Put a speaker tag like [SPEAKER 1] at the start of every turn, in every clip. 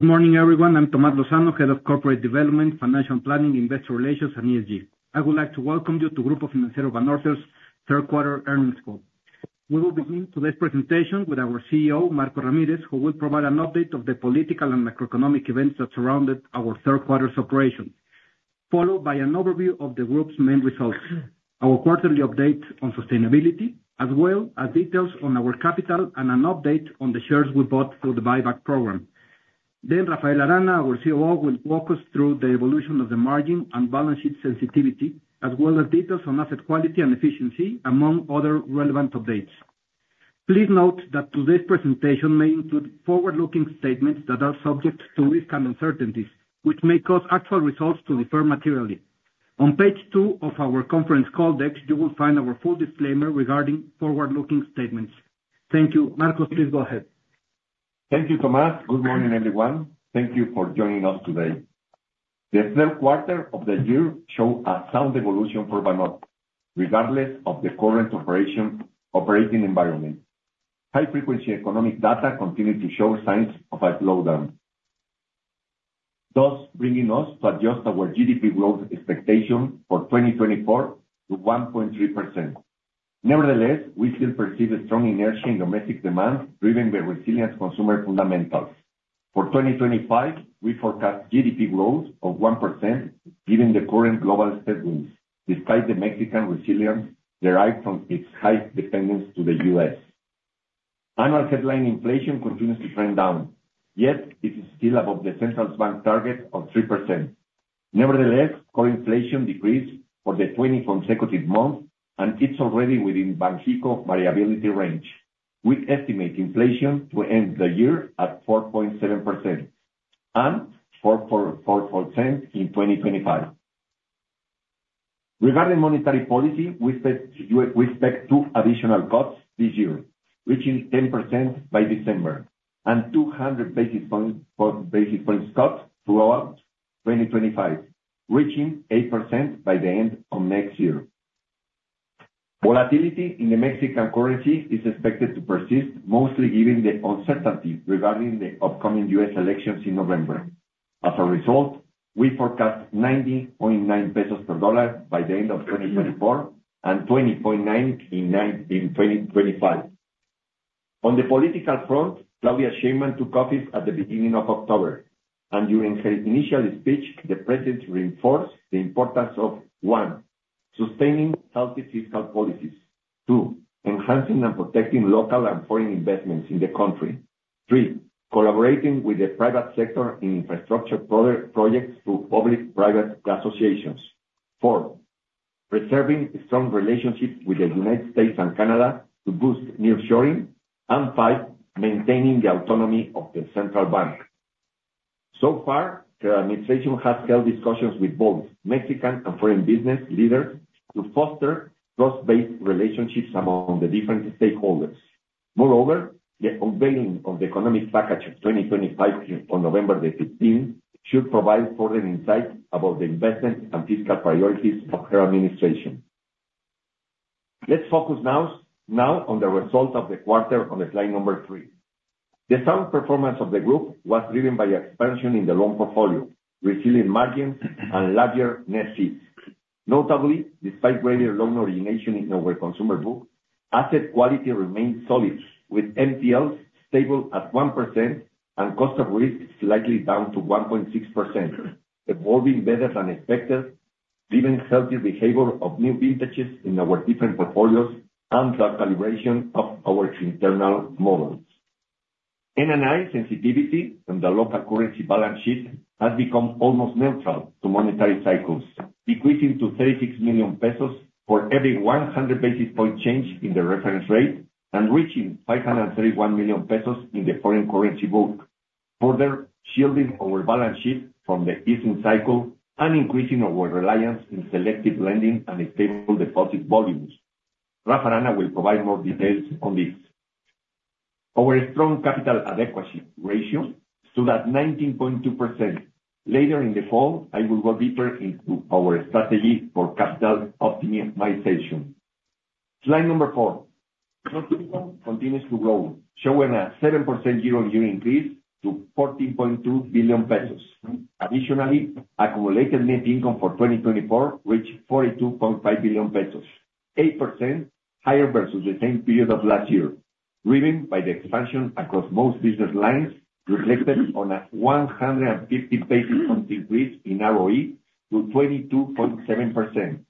[SPEAKER 1] Good morning, everyone. I'm Tomás Lozano, Head of Corporate Development, Financial Planning, Investor Relations, and ESG. I would like to welcome you to Grupo Financiero Banorte's third-quarter earnings call. We will begin today's presentation with our CEO, Marcos Ramírez, who will provide an update of the political and macroeconomic events that surrounded our third-quarter's operations, followed by an overview of the group's main results, our quarterly update on sustainability, as well as details on our capital and an update on the shares we bought through the buyback program. Then, Rafael Arana, our COO, will walk us through the evolution of the margin and balance sheet sensitivity, as well as details on asset quality and efficiency, among other relevant updates. Please note that today's presentation may include forward-looking statements that are subject to risk and uncertainties, which may cause actual results to differ materially. On page two of our conference call deck, you will find our full disclaimer regarding forward-looking statements. Thank you. Marcos, please go ahead.
[SPEAKER 2] Thank you, Tomás. Good morning, everyone. Thank you for joining us today. The third quarter of the year showed a sound evolution for Banorte, regardless of the current operating environment. High-frequency economic data continue to show signs of a slowdown, thus bringing us to adjust our GDP growth expectation for 2024 to 1.3%. Nevertheless, we still perceive a strong inertia in domestic demand driven by resilient consumer fundamentals. For 2025, we forecast GDP growth of 1% given the current global headwinds, despite the Mexican resilience derived from its high dependence on the U.S. Annual headline inflation continues to trend down, yet it is still above the central bank target of 3%. Nevertheless, core inflation decreased for the 20th consecutive month, and it's already within Banxico's variability range. We estimate inflation to end the year at 4.7% and 4.4% in 2025. Regarding monetary policy, we expect two additional cuts this year, reaching 10% by December, and 200 basis points cuts throughout 2025, reaching 8% by the end of next year. Volatility in the Mexican currency is expected to persist, mostly given the uncertainty regarding the upcoming U.S. elections in November. As a result, we forecast 90.9 pesos per $1 by the end of 2024 and 20.9 per $1 in 2025. On the political front, Claudia Sheinbaum took office at the beginning of October, and during her initial speech, the president reinforced the importance of: one, sustaining healthy fiscal policies. Two, enhancing and protecting local and foreign investments in the country. Three, collaborating with the private sector in infrastructure projects through public-private associations. Four, preserving strong relationships with the United States and Canada to boost nearshoring. And five, maintaining the autonomy of the central bank. So far, her administration has held discussions with both Mexican and foreign business leaders to foster trust-based relationships among the different stakeholders. Moreover, the unveiling of the economic package of 2025 on November 15 should provide further insight about the investment and fiscal priorities of her administration. Let's focus now on the results of the quarter on slide number three. The sound performance of the group was driven by expansion in the loan portfolio, resilient margins, and larger net fees. Notably, despite greater loan origination in our consumer book, asset quality remained solid, with NPLs stable at 1% and cost of risk slightly down to 1.6%, evolving better than expected, given healthy behavior of new vintages in our different portfolios and the calibration of our internal models. NNI sensitivity on the local currency balance sheet has become almost neutral to monetary cycles, decreasing to 36 million pesos for every 100 basis point change in the reference rate and reaching 531 million pesos in the foreign currency book, further shielding our balance sheet from the easing cycle and increasing our reliance on selective lending and stable deposit volumes. Rafael Arana will provide more details on this. Our strong capital adequacy ratio stood at 19.2%. Later in the fall, I will go deeper into our strategy for capital optimization. Slide number four. Consumer income continues to grow, showing a 7% year-on-year increase to 14.2 billion pesos. Additionally, accumulated net income for 2024 reached 42.5 billion pesos, 8% higher versus the same period of last year, driven by the expansion across most business lines, reflected on a 150 basis point increase in ROE to 22.7%.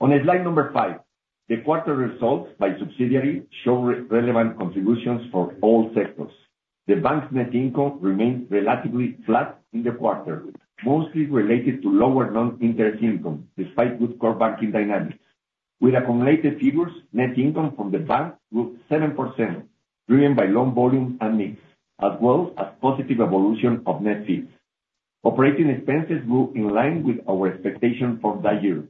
[SPEAKER 2] On slide number five, the quarter results by subsidiaries show relevant contributions for all sectors. The bank's net income remained relatively flat in the quarter, mostly related to lower non-interest income, despite good core banking dynamics. With accumulated figures, net income from the bank grew 7%, driven by loan volume and mix, as well as positive evolution of net fees. Operating expenses grew in line with our expectation for that year.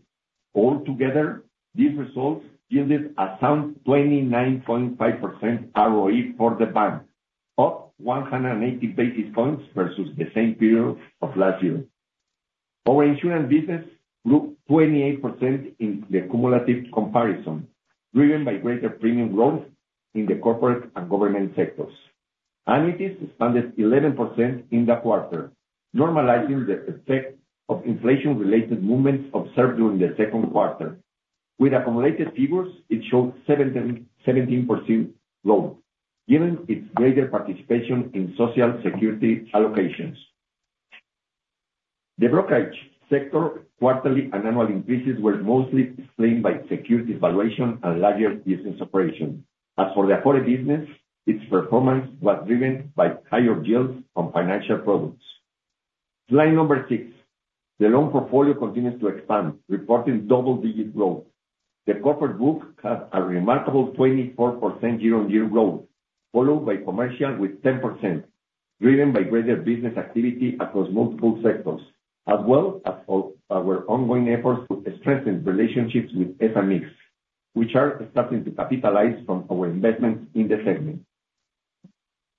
[SPEAKER 2] Altogether, these results yielded a sound 29.5% ROE for the bank, up 180 basis points versus the same period of last year. Our insurance business grew 28% in the cumulative comparison, driven by greater premium growth in the corporate and government sectors. Annuities expanded 11% in the quarter, normalizing the effect of inflation-related movements observed during the second quarter. With accumulated figures, it showed 17% growth, given its greater participation in social security allocations. The brokerage sector quarterly and annual increases were mostly explained by securities valuation and larger business operations. As for the foreign business, its performance was driven by higher yields on financial products. Slide number six. The loan portfolio continues to expand, reporting double-digit growth. The corporate book had a remarkable 24% year-on-year growth, followed by commercial with 10%, driven by greater business activity across multiple sectors, as well as our ongoing efforts to strengthen relationships with SMEs, which are starting to capitalize from our investments in the segment.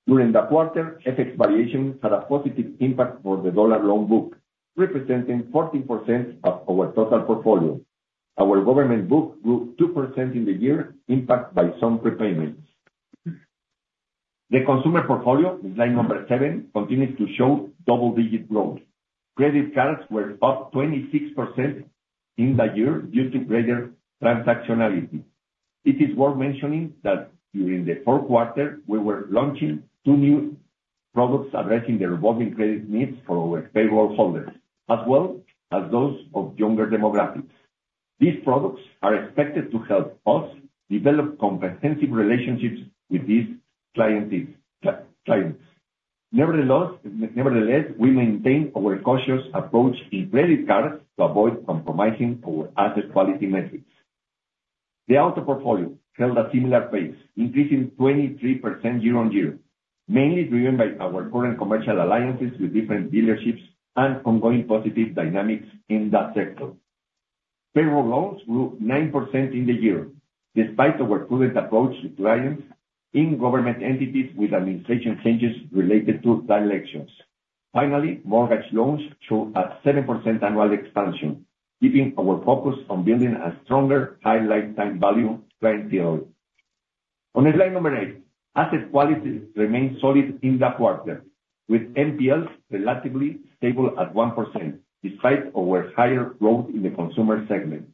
[SPEAKER 2] During the quarter, FX variation had a positive impact for the dollar loan book, representing 14% of our total portfolio. Our government book grew 2% in the year, impacted by some prepayments. The consumer portfolio, slide number seven, continues to show double-digit growth. Credit cards were up 26% in the year due to greater transactionality. It is worth mentioning that during the fourth quarter, we were launching two new products addressing the revolving credit needs for our payroll holders, as well as those of younger demographics. These products are expected to help us develop comprehensive relationships with these clients. Nevertheless, we maintain our cautious approach in credit cards to avoid compromising our asset quality metrics. The auto portfolio held a similar pace, increasing 23% year-on-year, mainly driven by our current commercial alliances with different dealerships and ongoing positive dynamics in that sector. Payroll loans grew 9% in the year, despite our prudent approach to clients in government entities with administration changes related to directions. Finally, mortgage loans show a 7% annual expansion, keeping our focus on building a stronger high lifetime value clientele. On slide number eight, asset quality remained solid in the quarter, with NPLs relatively stable at 1%, despite our higher growth in the consumer segment.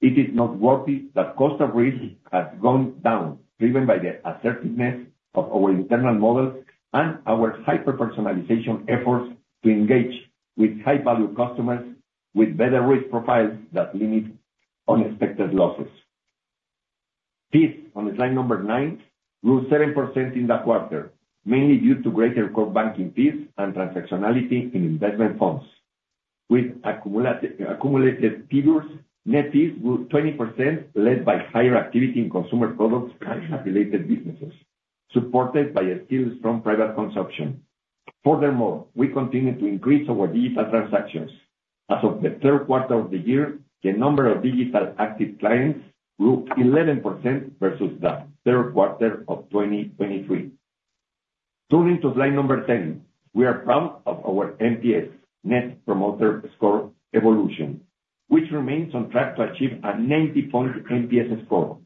[SPEAKER 2] It is noteworthy that cost of risk has gone down, driven by the assertiveness of our internal models and our hyper-personalization efforts to engage with high-value customers with better risk profiles that limit unexpected losses. Fees on slide number nine grew 7% in the quarter, mainly due to greater core banking fees and transactionality in investment funds. With accumulated figures, net fees grew 20%, led by higher activity in consumer products and affiliated businesses, supported by a still strong private consumption. Furthermore, we continue to increase our digital transactions. As of the third quarter of the year, the number of digital active clients grew 11% versus the third quarter of 2023. Turning to slide number ten, we are proud of our MPS, Net Promoter Score Evolution, which remains on track to achieve a 90-point MPS score.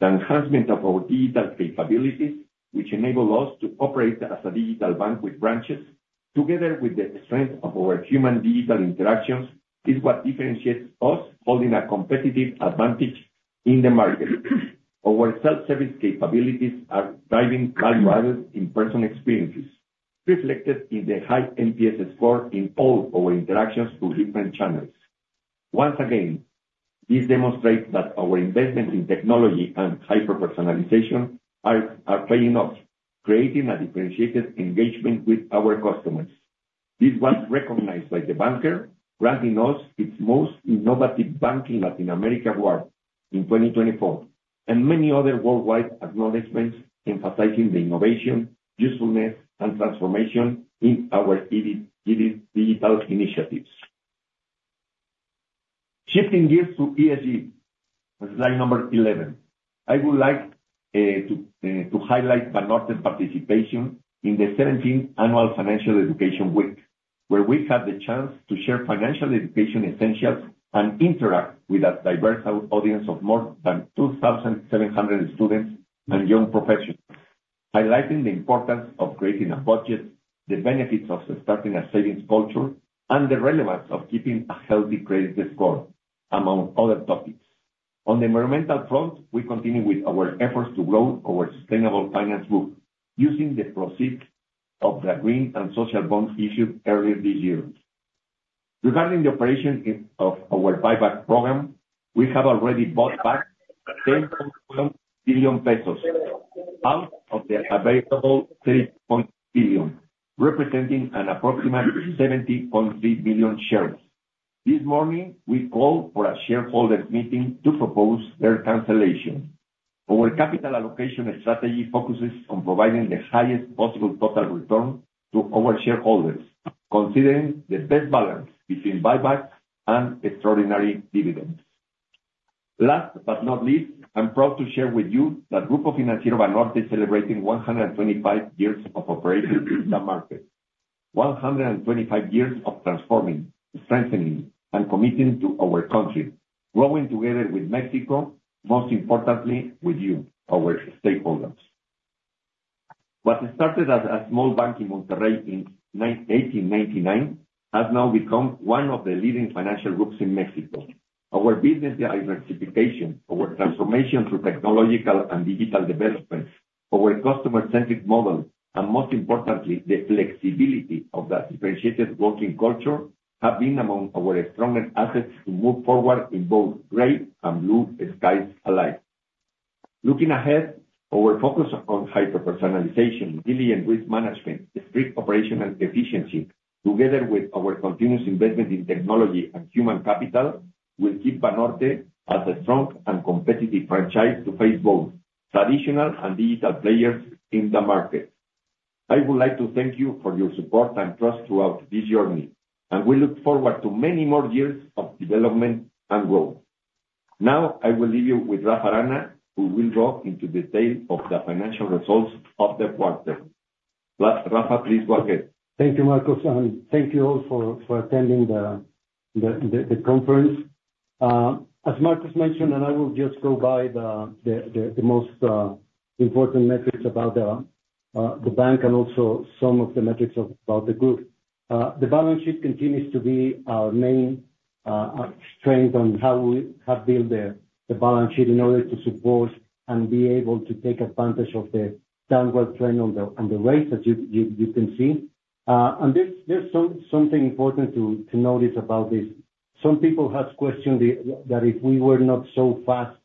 [SPEAKER 2] The enhancement of our digital capabilities, which enable us to operate as a digital bank with branches, together with the strength of our human digital interactions, is what differentiates us, holding a competitive advantage in the market. Our self-service capabilities are driving value-added in-person experiences, reflected in the high MPS score in all our interactions through different channels. Once again, this demonstrates that our investments in technology and hyper-personalization are paying off, creating a differentiated engagement with our customers. This was recognized by The Banker, granting us its Most Innovative Bank in Latin America award in 2024, and many other worldwide acknowledgments emphasizing the innovation, usefulness, and transformation in our digital initiatives. Shifting gears to ESG, slide number 11, I would like to highlight Banorte's participation in the 17th Annual Financial Education Week, where we had the chance to share financial education essentials and interact with a diverse audience of more than 2,700 students and young professionals, highlighting the importance of creating a budget, the benefits of starting a savings culture, and the relevance of keeping a healthy credit score, among other topics. On the environmental front, we continue with our efforts to grow our sustainable finance book, using the proceeds of the green and social bonds issued earlier this year. Regarding the operation of our buyback program, we have already bought back 10.1 billion pesos out of the available 3.1 billion, representing an approximate 70.3 billion shares. This morning, we called for a shareholders' meeting to propose their cancellation. Our capital allocation strategy focuses on providing the highest possible total return to our shareholders, considering the best balance between buyback and extraordinary dividends. Last but not least, I'm proud to share with you that Grupo Financiero Banorte is celebrating 125 years of operation in the market, 125 years of transforming, strengthening, and committing to our country, growing together with Mexico, most importantly, with you, our stakeholders. What started as a small bank in Monterrey in 1899 has now become one of the leading financial groups in Mexico. Our business diversification, our transformation through technological and digital developments, our customer-centric model, and most importantly, the flexibility of that differentiated working culture have been among our strongest assets to move forward in both gray and blue skies alike. Looking ahead, our focus on hyper-personalization, diligent risk management, strict operational efficiency, together with our continuous investment in technology and human capital, will keep Banorte as a strong and competitive franchise to face both traditional and digital players in the market. I would like to thank you for your support and trust throughout this journey, and we look forward to many more years of development and growth. Now, I will leave you with Rafael Arana, who will dive into detail of the financial results of the quarter. Rafael, please go ahead.
[SPEAKER 3] Thank you, Marcos, and thank you all for attending the conference. As Marcos mentioned, and I will just go over the most important metrics about the bank and also some of the metrics about the group. The balance sheet continues to be our main strength and how we have built the balance sheet in order to support and be able to take advantage of the downward trend on the rates that you can see. And there's something important to notice about this. Some people have questioned that if we were not so fast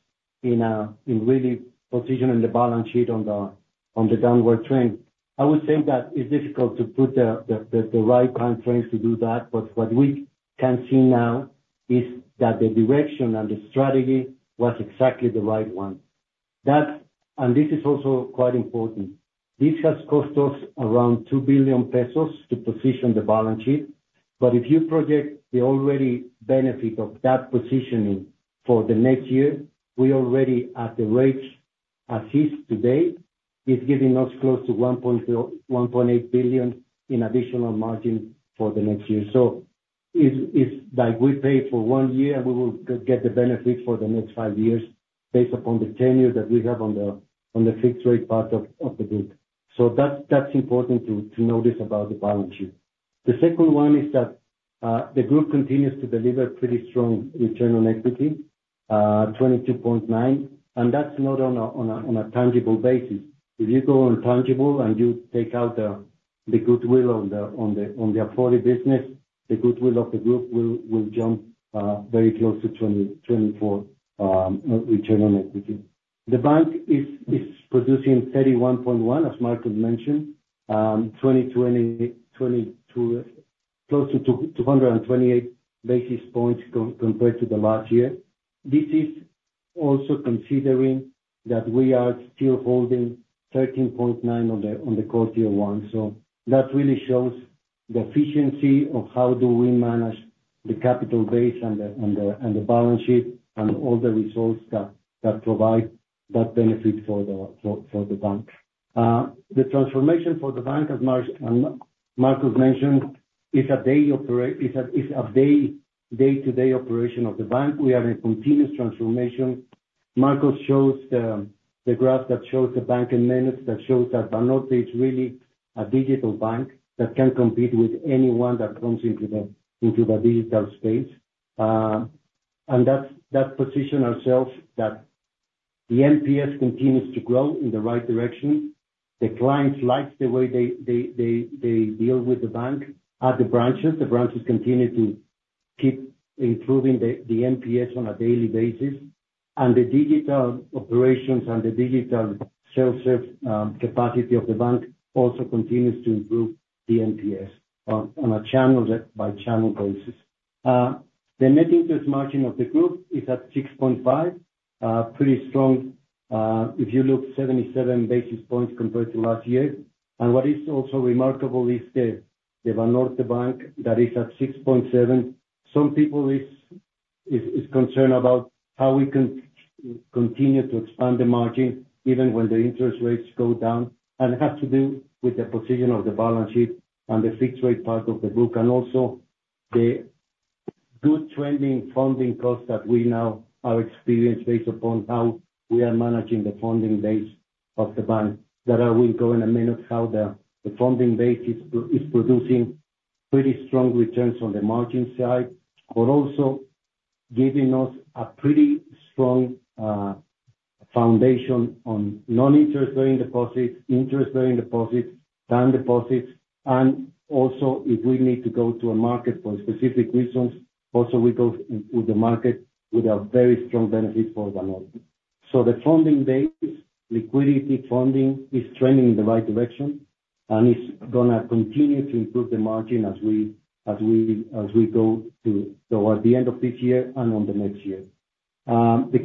[SPEAKER 3] in really positioning the balance sheet on the downward trend. I would say that it's difficult to put the right time frames to do that, but what we can see now is that the direction and the strategy was exactly the right one. And this is also quite important. This has cost us around 2 billion pesos to position the balance sheet, but if you project the benefit already of that positioning for the next year, we are already at the rates as is today, it's giving us close to 1.8 billion in additional margin for the next year. So it's like we pay for one year and we will get the benefit for the next five years based upon the tenure that we have on the fixed rate part of the group. So that's important to notice about the balance sheet. The second one is that the group continues to deliver pretty strong return on equity, 22.9%, and that's not on a tangible basis. If you go on a tangible and you take out the goodwill on the acquired business, the goodwill of the group will jump very close to 24% return on equity. The bank is producing 31.1, as Marcos mentioned, close to 228 basis points compared to the last year. This is also considering that we are still holding 13.9 on the quarter one. So that really shows the efficiency of how do we manage the capital base and the balance sheet and all the results that provide that benefit for the bank. The transformation for the bank, as Marcos mentioned, is a day-to-day operation of the bank. We are in continuous transformation. Marcos shows the graph that shows the bank in minutes that shows that Banorte is really a digital bank that can compete with anyone that comes into the digital space. And that position ourselves that the NPS continues to grow in the right direction. The clients like the way they deal with the bank at the branches. The branches continue to keep improving the NPS on a daily basis. The digital operations and the digital self-serve capacity of the bank also continues to improve the MPS on a channel by channel basis. The net interest margin of the group is at 6.5%, pretty strong if you look 77 basis points compared to last year. What is also remarkable is the Banorte Bank that is at 6.7%. Some people are concerned about how we can continue to expand the margin even when the interest rates go down, and it has to do with the position of the balance sheet and the fixed rate part of the book, and also the good trending funding costs that we now are experiencing based upon how we are managing the funding base of the bank. That, I will go in a minute, how the funding base is producing pretty strong returns on the margin side, but also giving us a pretty strong foundation on non-interest-bearing deposits, interest-bearing deposits, time deposits, and also if we need to go to a market for specific reasons, also we go with the market with a very strong benefit for Banorte. So the funding base, liquidity funding, is trending in the right direction and is going to continue to improve the margin as we go to the end of this year and on the next year. The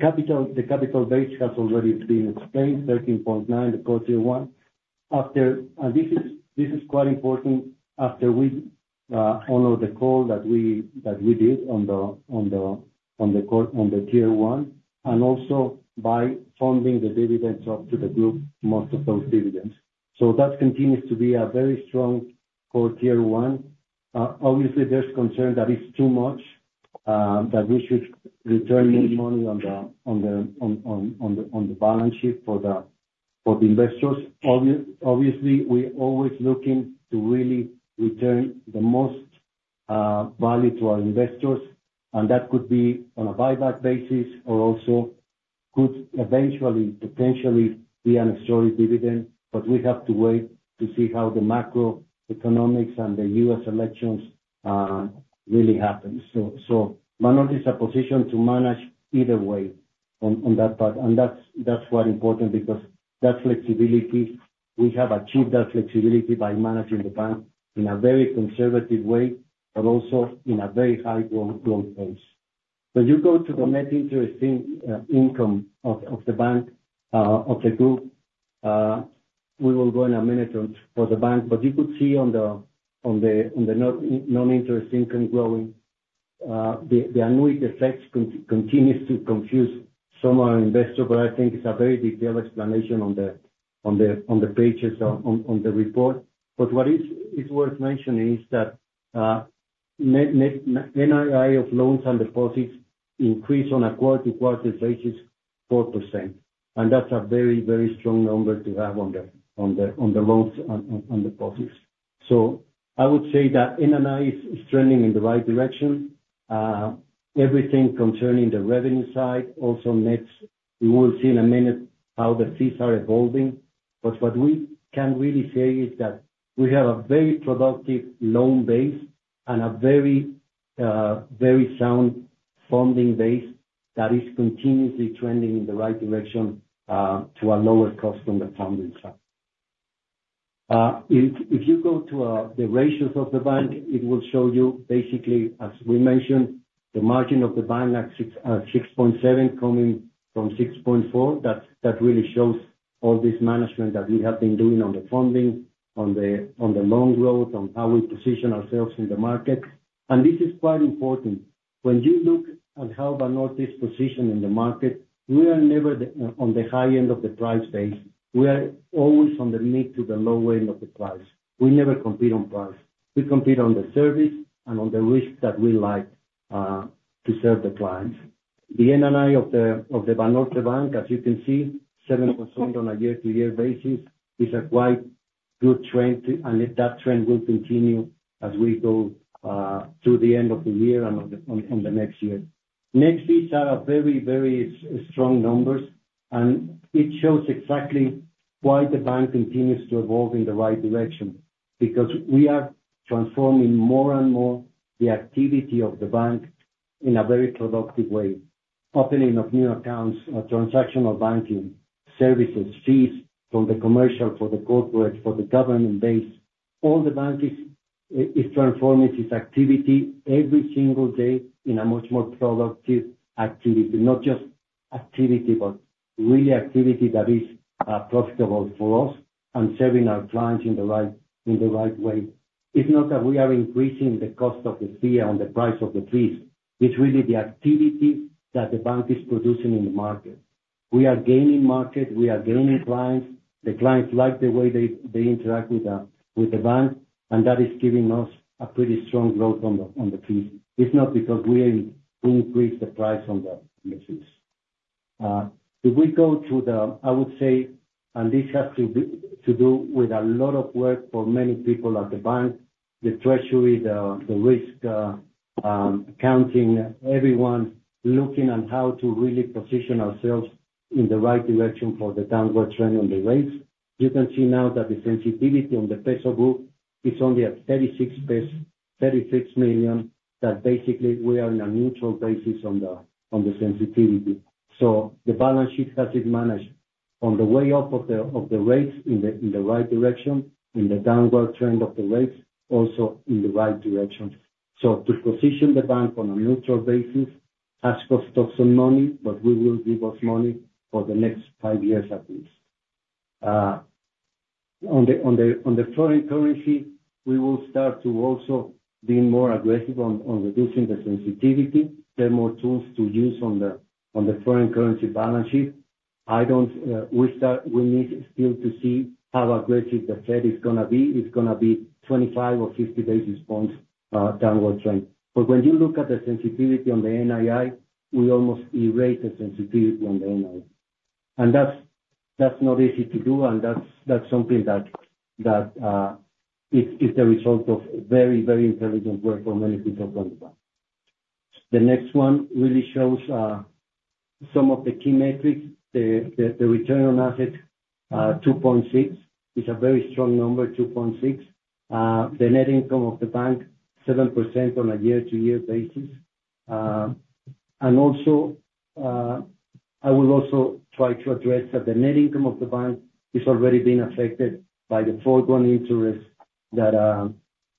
[SPEAKER 3] capital base has already been explained, 13.9, the quarter one, and this is quite important after we honor the call that we did on the tier one and also by funding the dividends up to the group, most of those dividends. So that continues to be a very strong quarter one. Obviously, there's concern that it's too much, that we should return more money on the balance sheet for the investors. Obviously, we're always looking to really return the most value to our investors, and that could be on a buyback basis or also could eventually potentially be an extraordinary dividend, but we have to wait to see how the macroeconomics and the U.S. elections really happen, so Banorte is a position to manage either way on that part, and that's quite important because that flexibility, we have achieved that flexibility by managing the bank in a very conservative way, but also in a very high growth pace. When you go to the net interest income of the bank, of the group, we will go in a minute for the bank, but you could see on the non-interest income growing. The annuity effects continues to confuse some of our investors, but I think it's a very detailed explanation on the pages on the report, but what is worth mentioning is that NII of loans and deposits increased on a quarter-to-quarter basis 4%, and that's a very, very strong number to have on the loans and deposits, so I would say that NII is trending in the right direction. Everything concerning the revenue side, also nets, we will see in a minute how the fees are evolving, but what we can really say is that we have a very productive loan base and a very sound funding base that is continuously trending in the right direction to a lower cost on the funding side. If you go to the ratios of the bank, it will show you basically, as we mentioned, the margin of the bank at 6.7% coming from 6.4%. That really shows all this management that we have been doing on the funding, on the loan growth, on how we position ourselves in the market. And this is quite important. When you look at how Banorte is positioned in the market, we are never on the high end of the price base. We are always on the mid to the low end of the price. We never compete on price. We compete on the service and on the risk that we like to serve the clients. The NNI of the Banorte Bank, as you can see, 7% on a year-to-year basis is a quite good trend, and that trend will continue as we go through the end of the year and on the next year. Net fees are very, very strong numbers, and it shows exactly why the bank continues to evolve in the right direction because we are transforming more and more the activity of the bank in a very productive way. Opening of new accounts, transactional banking services, fees from the commercial, for the corporate, for the government base. The bank is transforming its activity every single day in a much more productive activity, not just activity, but really activity that is profitable for us and serving our clients in the right way. It's not that we are increasing the cost of the fee on the price of the fees. It's really the activity that the bank is producing in the market. We are gaining market. We are gaining clients. The clients like the way they interact with the bank, and that is giving us a pretty strong growth on the fees. It's not because we increase the price on the fees. If we go to the, I would say, and this has to do with a lot of work for many people at the bank, the treasury, the risk accounting, everyone looking at how to really position ourselves in the right direction for the downward trend on the rates. You can see now that the sensitivity on the peso group is only at 36 million, that basically we are in a neutral basis on the sensitivity. So the balance sheet has been managed on the way up of the rates in the right direction, in the downward trend of the rates, also in the right direction. So to position the bank on a neutral basis has cost us some money, but we will give us money for the next five years at least. On the foreign currency, we will start to also be more aggressive on reducing the sensitivity. There are more tools to use on the foreign currency balance sheet. We need still to see how aggressive the Fed is going to be. It's going to be 25 or 50 basis points downward trend. But when you look at the sensitivity on the NII, we almost erase the sensitivity on the NII. And that's not easy to do, and that's something that is the result of very, very intelligent work for many people from the bank. The next one really shows some of the key metrics. The return on assets, 2.6, is a very strong number, 2.6. The net income of the bank, 7% on a year-to-year basis. I will also try to address that the net income of the bank is already being affected by the foregone interest that,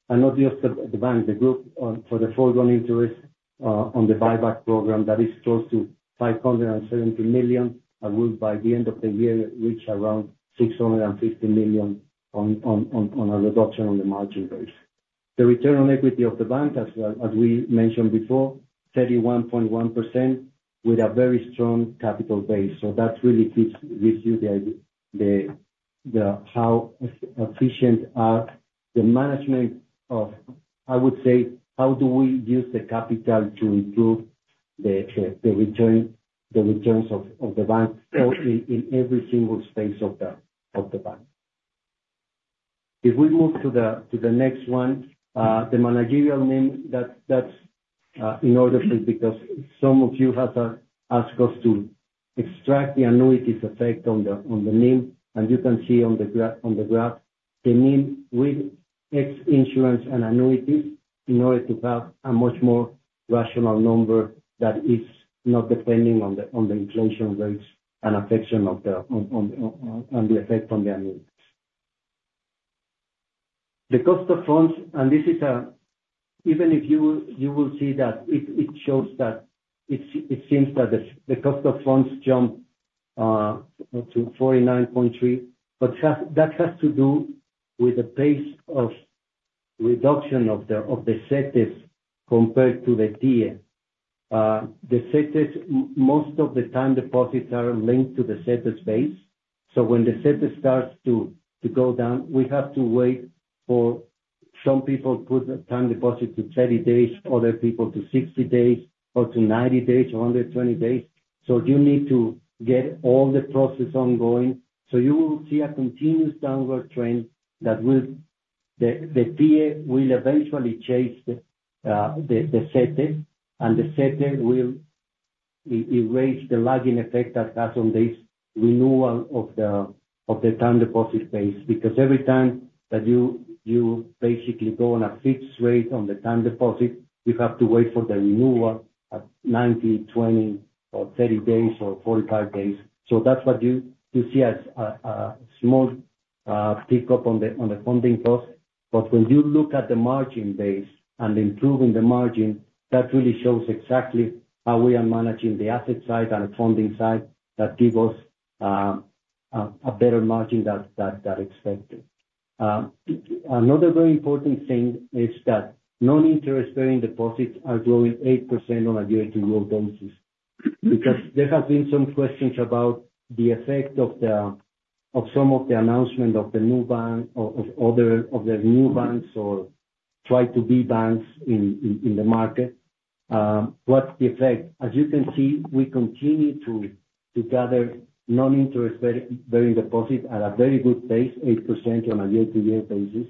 [SPEAKER 3] and not just the bank, the group, for the foregone interest on the buyback program that is close to 570 million. It will, by the end of the year, reach around 650 million on a reduction on the margin base. The return on equity of the bank, as we mentioned before, 31.1% with a very strong capital base. So that really gives you the how efficient the management of, I would say, how do we use the capital to improve the returns of the bank in every single space of the bank. If we move to the next one, the NIM, that's in order because some of you have asked us to extract the annuities effect on the NIM, and you can see on the graph, the NIM with ex-insurance and annuities in order to have a much more rational number that is not depending on the inflation rates and the effect on the annuities. The cost of funds, and this is, even if you will see that it seems that the cost of funds jumped to 49.3, but that has to do with the pace of reduction of the Cetes compared to the TIIE. The Cetes, most of the time deposits are linked to the Cetes base. So when the Cetes starts to go down, we have to wait for some people to put time deposit to 30 days, other people to 60 days or to 90 days or under 20 days. So you need to get all the process ongoing. So you will see a continuous downward trend that will, the TIIE will eventually chase the Cetes, and the Cetes will erase the lagging effect that has on this renewal of the time deposit base because every time that you basically go on a fixed rate on the time deposit, you have to wait for the renewal at 90, 20, or 30 days or 45 days. So that's what you see as a small pickup on the funding cost. But when you look at the margin base and improving the margin, that really shows exactly how we are managing the asset side and the funding side that give us a better margin than expected. Another very important thing is that non-interest-bearing deposits are growing 8% on a year-to-year basis because there have been some questions about the effect of some of the announcement of the new bank or other of the new banks or try-to-be banks in the market. What's the effect? As you can see, we continue to gather non-interest-bearing deposits at a very good pace, 8% on a year-to-year basis.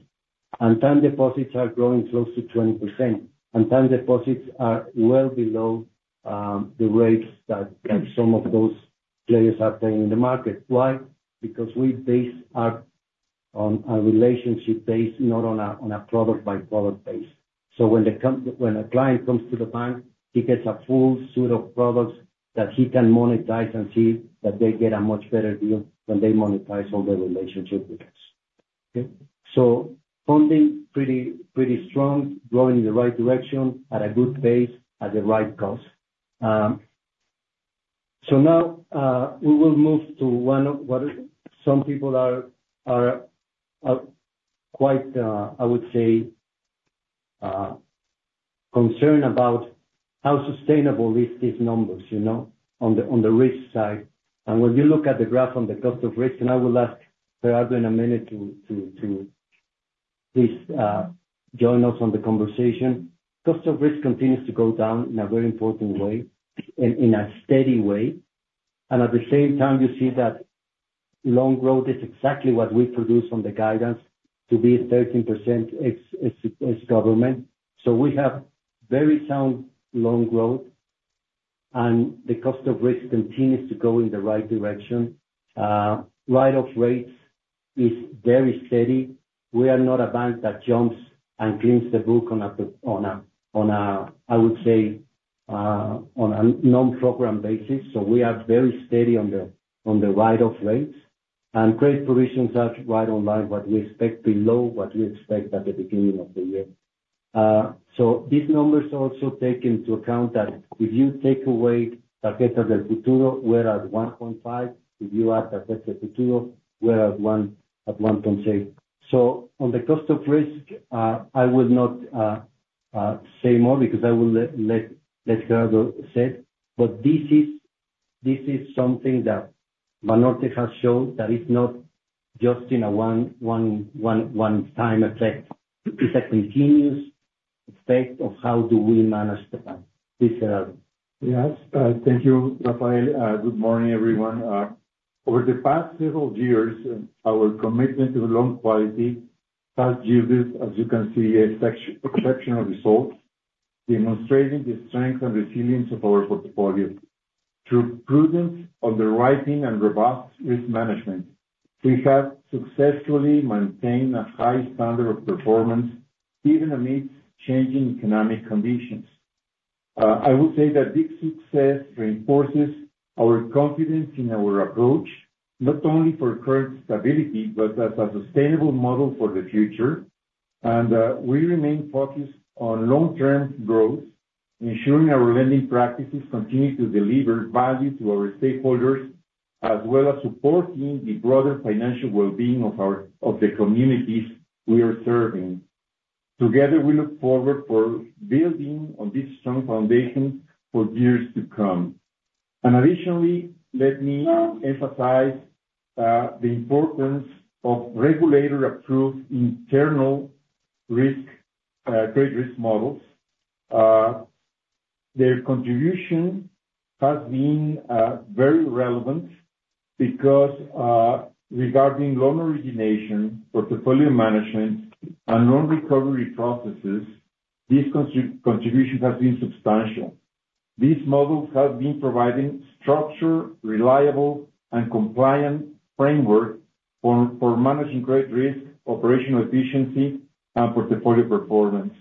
[SPEAKER 3] And time deposits are growing close to 20%, and time deposits are well below the rates that some of those players are paying in the market. Why? Because we base our relationship base not on a product-by-product base. When a client comes to the bank, he gets a full suite of products that he can monetize and see that they get a much better deal when they monetize all their relationship with us. Funding is pretty strong, growing in the right direction at a good pace at the right cost. Now we will move to one of what some people are quite, I would say, concerned about: how sustainable are these numbers on the risk side. When you look at the graph on the cost of risk, I will ask Gerardo in a minute to please join us in the conversation. Cost of risk continues to go down in a very important way, in a steady way. At the same time, you see that loan growth is exactly what we projected in the guidance to be 13% as guided. So we have very sound loan growth, and the cost of risk continues to go in the right direction. Write-off rates is very steady. We are not a bank that jumps and cleans the book on a, I would say, on a non-program basis. So we are very steady on the write-off rates. And credit provisions are right in line with what we expect, below what we expect at the beginning of the year. So these numbers also take into account that if you take away Tarjeta del Futuro, we're at 1.5. If you add Tarjeta del Futuro, we're at 1.6. So on the cost of risk, I will not say more because I will let Gerardo say it. But this is something that Banorte has shown that it's not just in a one-time effect. It's a continuous effect of how do we manage the bank. Please, Gerardo. Yes.
[SPEAKER 4] Thank you, Rafael. Good morning, everyone. Over the past several years, our commitment to loan quality has yielded, as you can see, exceptional results, demonstrating the strength and resilience of our portfolio. Through prudent underwriting and robust risk management, we have successfully maintained a high standard of performance even amidst changing economic conditions. I would say that this success reinforces our confidence in our approach, not only for current stability, but as a sustainable model for the future. And we remain focused on long-term growth, ensuring our lending practices continue to deliver value to our stakeholders, as well as supporting the broader financial well-being of the communities we are serving. Together, we look forward to building on this strong foundation for years to come. And additionally, let me emphasize the importance of regulator-approved internal credit risk models. Their contribution has been very relevant because regarding loan origination, portfolio management, and loan recovery processes, this contribution has been substantial. These models have been providing structured, reliable, and compliant frameworks for managing credit risk, operational efficiency, and portfolio performance.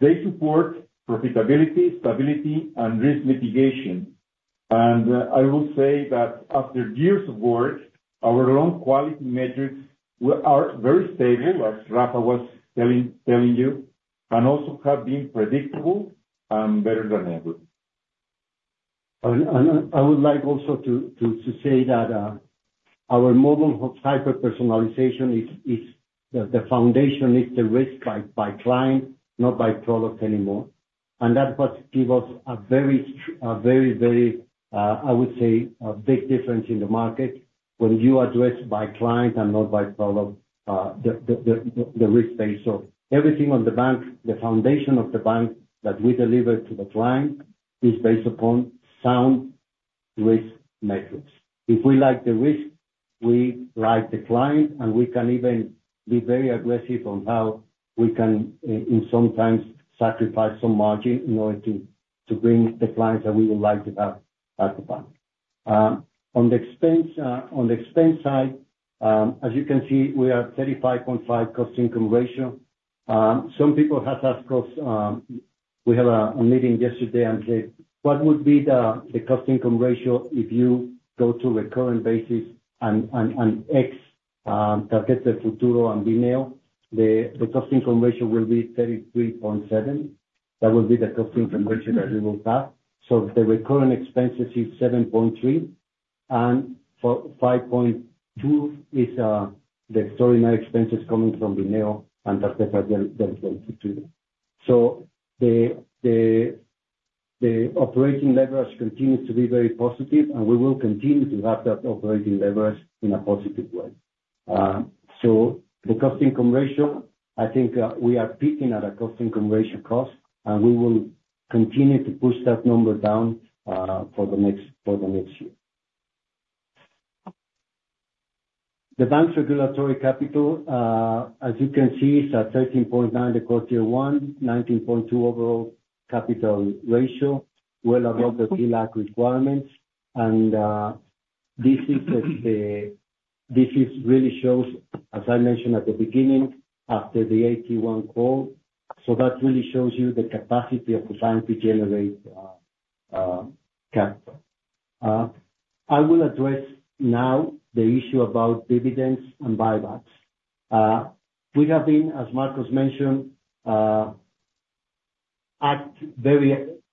[SPEAKER 4] They support profitability, stability, and risk mitigation. I will say that after years of work, our loan quality metrics are very stable, as Rafa was telling you, and also have been predictable and better than ever.
[SPEAKER 3] I would like also to say that our model of hyper-personalization is the foundation is the risk by client, not by product anymore. That gives us a very, very, very, I would say, big difference in the market when you address by client and not by product the risk base. Everything on the bank, the foundation of the bank that we deliver to the client is based upon sound risk metrics. If we like the risk, we like the client, and we can even be very aggressive on how we can sometimes sacrifice some margin in order to bring the clients that we would like to have at the bank. On the expense side, as you can see, we are 35.5% cost-income ratio. Some people have asked us. We had a meeting yesterday, and said, "What would be the cost-income ratio if you go to recurrent basis and excluding Tarjeta del Futuro and Bineo?" The cost-income ratio will be 33.7%. That will be the cost-income ratio that we will have. The recurrent expenses is 7.3%, and 5.2% is the startup expenses coming from Bineo and Tarjeta del Futuro. The operating leverage continues to be very positive, and we will continue to have that operating leverage in a positive way. The cost-income ratio, I think we are peaking at a cost-income ratio, and we will continue to push that number down for the next year. The bank's regulatory capital, as you can see, is at 13.9% Tier 1, 19.2% overall capital ratio, well above the TLAC requirements. And this really shows, as I mentioned at the beginning, after the AT1 call. That really shows you the capacity of the bank to generate capital. I will address now the issue about dividends and buybacks. We have been, as Marcos mentioned, very,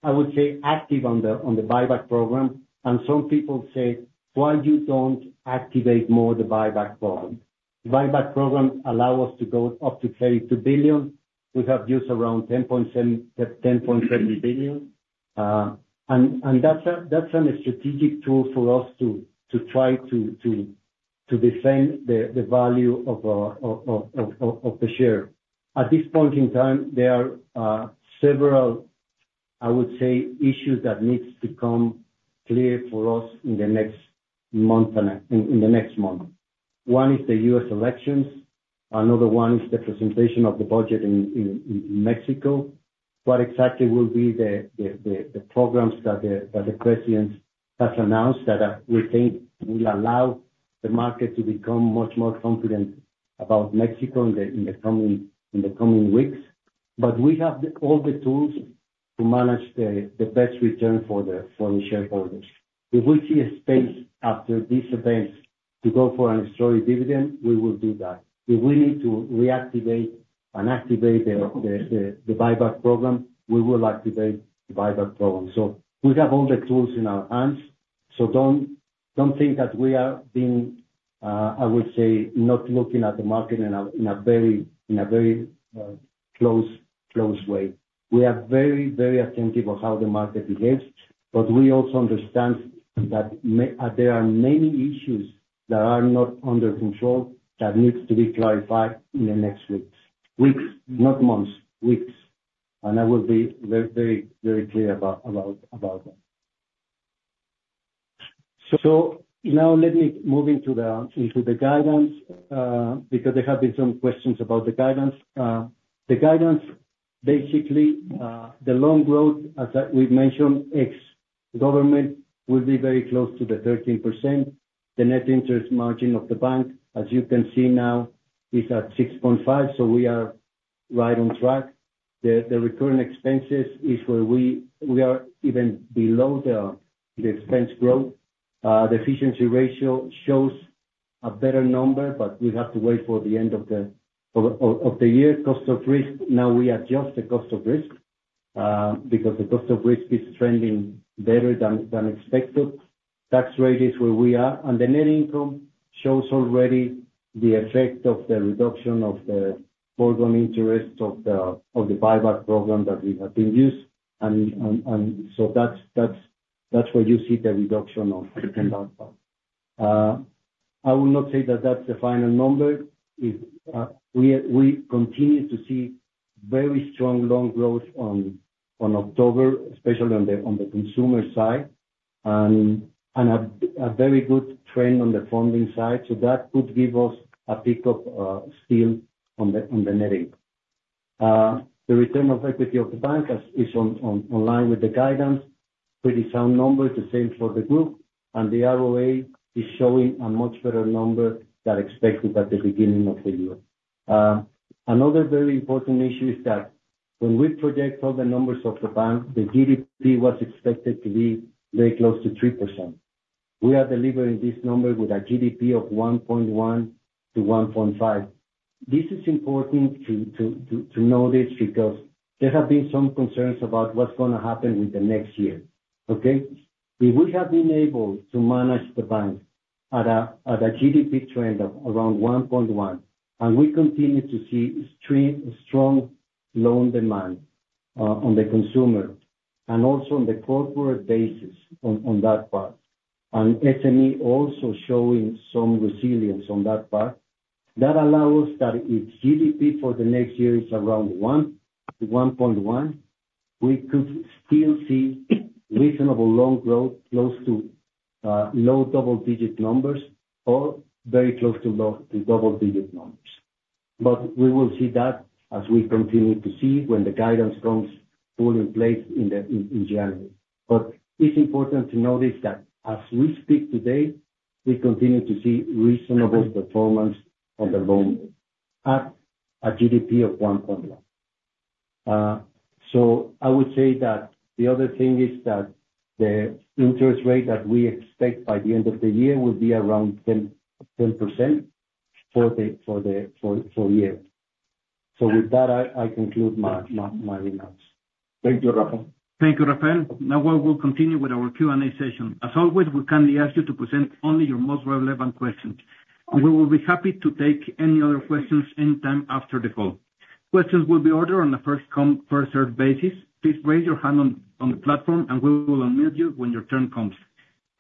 [SPEAKER 3] I would say, active on the buyback program. And some people say, "Why you don't activate more the buyback program?" The buyback program allows us to go up to 32 billion. We have used around 10.7 billion. And that's a strategic tool for us to try to defend the value of the share. At this point in time, there are several, I would say, issues that need to become clear for us in the next month and in the next month. One is the U.S. elections. Another one is the presentation of the budget in Mexico. What exactly will be the programs that the president has announced that we think will allow the market to become much more confident about Mexico in the coming weeks? But we have all the tools to manage the best return for the shareholders. If we see a space after these events to go for an extraordinary dividend, we will do that. If we need to reactivate and activate the buyback program, we will activate the buyback program. So we have all the tools in our hands. So don't think that we are being, I would say, not looking at the market in a very close way. We are very, very attentive of how the market behaves. But we also understand that there are many issues that are not under control that need to be clarified in the next weeks, not months, weeks. I will be very, very clear about that. Now let me move into the guidance because there have been some questions about the guidance. The guidance, basically, the loan growth, as we mentioned, ex-government will be very close to the 13%. The net interest margin of the bank, as you can see now, is at 6.5%. We are right on track. The recurrent expenses is where we are even below the expense growth. The efficiency ratio shows a better number, but we have to wait for the end of the year. The cost of risk, now we adjust the cost of risk because the cost of risk is trending better than expected. Tax rate is where we are. And the net income shows already the effect of the reduction of the foregone interest of the buyback program that we have been used. And so that's where you see the reduction of the buyback. I will not say that that's the final number. We continue to see very strong loan growth on October, especially on the consumer side, and a very good trend on the funding side. So that would give us a pickup still on the net income. The return on equity of the bank is in line with the guidance. Pretty sound number is the same for the group. And the ROA is showing a much better number than expected at the beginning of the year. Another very important issue is that when we project all the numbers of the bank, the GDP was expected to be very close to 3%. We are delivering this number with a GDP of 1.1 to 1.5. This is important to notice because there have been some concerns about what's going to happen with the next year. Okay? If we have been able to manage the bank at a GDP trend of around 1.1, and we continue to see strong loan demand on the consumer and also on the corporate basis on that part, and SME also showing some resilience on that part, that allows us that if GDP for the next year is around 1 to 1.1, we could still see reasonable loan growth close to low double-digit numbers or very close to double-digit numbers. But we will see that as we continue to see when the guidance comes fully in place in January. It's important to notice that as we speak today, we continue to see reasonable performance on the loan at a GDP of 1.1. I would say that the other thing is that the interest rate that we expect by the end of the year will be around 10% for the year. With that, I conclude my remarks.
[SPEAKER 1] Thank you, Rafael. Thank you, Rafael. Now, we'll continue with our Q&A session. As always, we kindly ask you to present only your most relevant questions. We will be happy to take any other questions anytime after the call. Questions will be ordered on a first-come, first-served basis. Please raise your hand on the platform, and we will unmute you when your turn comes.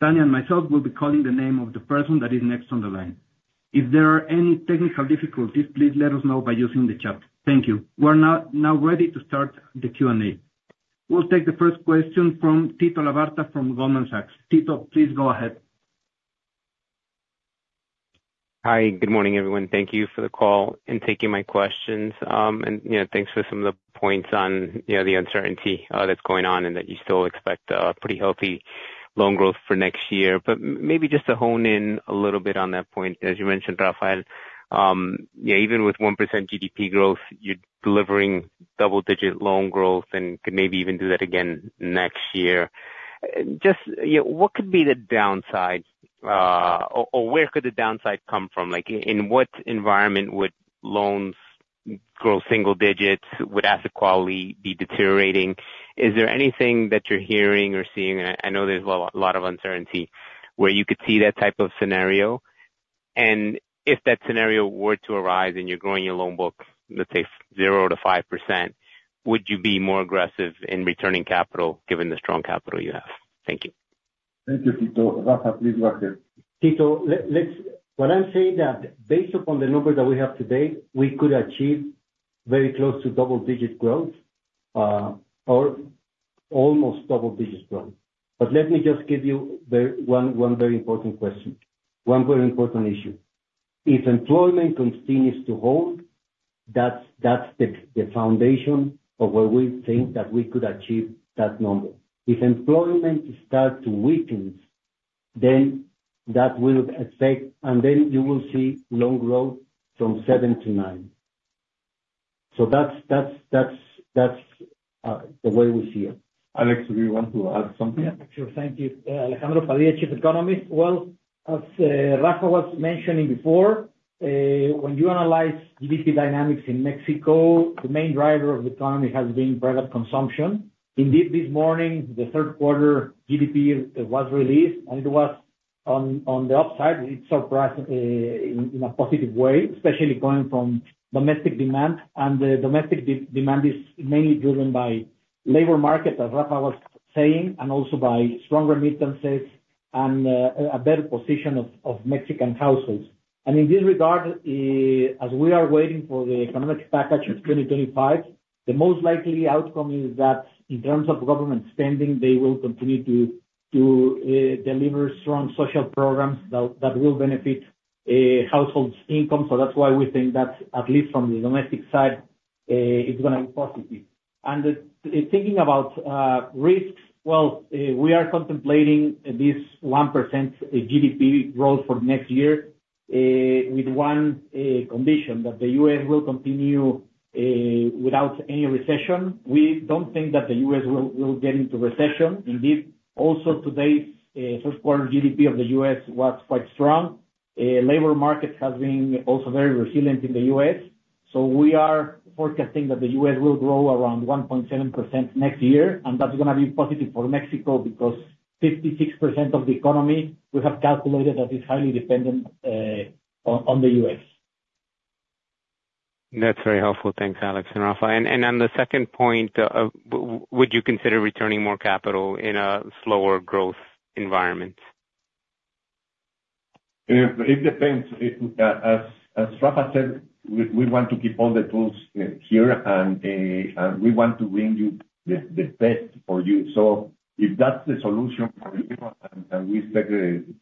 [SPEAKER 1] Tania and myself will be calling the name of the person that is next on the line. If there are any technical difficulties, please let us know by using the chat. Thank you. We are now ready to start the Q&A. We'll take the first question from Tito Labarta from Goldman Sachs. Tito, please go ahead.
[SPEAKER 5] Hi. Good morning, everyone. Thank you for the call and taking my questions. And thanks for some of the points on the uncertainty that's going on and that you still expect pretty healthy loan growth for next year. But maybe just to hone in a little bit on that point, as you mentioned, Rafael, even with 1% GDP growth, you're delivering double-digit loan growth and could maybe even do that again next year. Just what could be the downside or where could the downside come from? In what environment would loans grow single digits? Would asset quality be deteriorating? Is there anything that you're hearing or seeing? I know there's a lot of uncertainty where you could see that type of scenario. And if that scenario were to arise and you're growing your loan book, let's say, 0%-5%, would you be more aggressive in returning capital given the strong capital you have? Thank you.
[SPEAKER 2] Thank you, Tito. Rafa, please go ahead. Tito, when I'm saying that based upon the numbers that we have today, we could achieve very close to double-digit growth or almost double-digit growth. But let me just give you one very important question, one very important issue. If employment continues to hold, that's the foundation of where we think that we could achieve that number. If employment starts to weaken, then that will affect, and then you will see loan growth from 7%-9%. So that's the way we see it., do you want to add something? Yeah. Thank you.
[SPEAKER 6] As Rafa was mentioning before, when you analyze GDP dynamics in Mexico, the main driver of the economy has been private consumption. Indeed, this morning, the third-quarter GDP was released, and it was on the upside. It's surprising in a positive way, especially going from domestic demand. The domestic demand is mainly driven by labor market, as Rafa was saying, and also by strong remittances and a better position of Mexican households. In this regard, as we are waiting for the economic package of 2025, the most likely outcome is that in terms of government spending, they will continue to deliver strong social programs that will benefit households' income. That's why we think that at least from the domestic side, it's going to be positive. Thinking about risks, well, we are contemplating this 1% GDP growth for next year with one condition: that the U.S. will continue without any recession. We don't think that the U.S. will get into recession. Indeed, also today's first-quarter GDP of the U.S. was quite strong. Labor market has been also very resilient in the U.S. We are forecasting that the U.S. will grow around 1.7% next year. That's going to be positive for Mexico because 56% of the economy we have calculated that is highly dependent on the U.S.
[SPEAKER 5] That's very helpful. Thanks, Alex and Rafa. On the second point, would you consider returning more capital in a slower growth environment?
[SPEAKER 2] It depends. As Rafa said, we want to keep all the tools here, and we want to bring you the best for you. So if that's the solution for you and we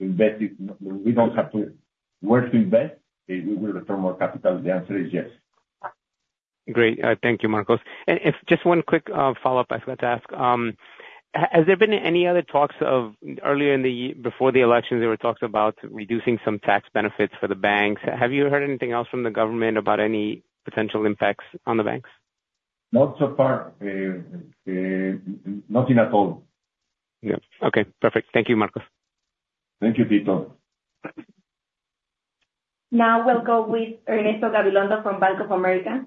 [SPEAKER 2] invest it, we don't have to work to invest, we will return more capital. The answer is yes. Great.
[SPEAKER 5] Thank you, Marcos. And just one quick follow-up I forgot to ask. Has there been any other talks of earlier before the election? There were talks about reducing some tax benefits for the banks. Have you heard anything else from the government about any potential impacts on the banks?
[SPEAKER 2] Not so far. Nothing at all. Yeah. Okay. Perfect. Thank you, Marcos. Thank you, Tito.
[SPEAKER 7] Now we'll go with Ernesto Gabilondo from Bank of America.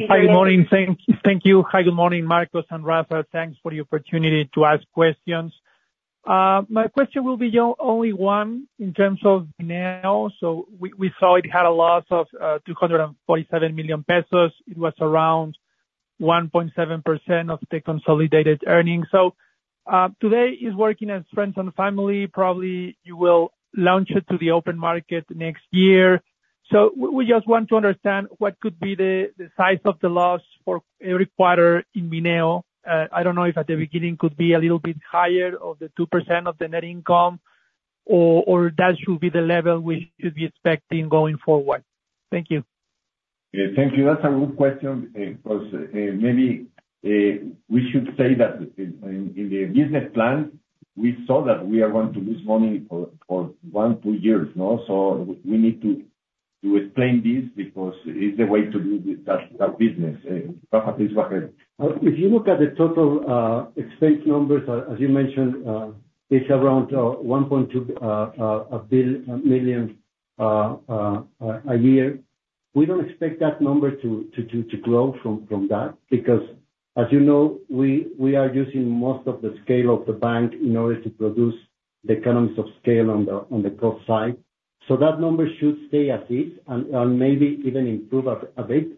[SPEAKER 8] Hi, good morning. Thank you. Hi, good morning, Marcos and Rafa. Thanks for the opportunity to ask questions. My question will be only one in terms of now. So we saw it had a loss of 247 million pesos. It was around 1.7% of the consolidated earnings. So today is working as friends and family. Probably you will launch it to the open market next year. So we just want to understand what could be the size of the loss for every quarter in Bineo. I don't know if at the beginning could be a little bit higher of the 2% of the net income or that should be the level we should be expecting going forward. Thank you.
[SPEAKER 2] Thank you. That's a good question because maybe we should say that in the business plan, we saw that we are going to lose money for one or two years. So we need to explain this because it's the way to do that business. Rafa, please go ahead.
[SPEAKER 3] If you look at the total expense numbers, as you mentioned, it's around 1.2 million a year. We don't expect that number to grow from that because, as you know, we are using most of the scale of the bank in order to produce the economies of scale on the cost side. So that number should stay as is and maybe even improve a bit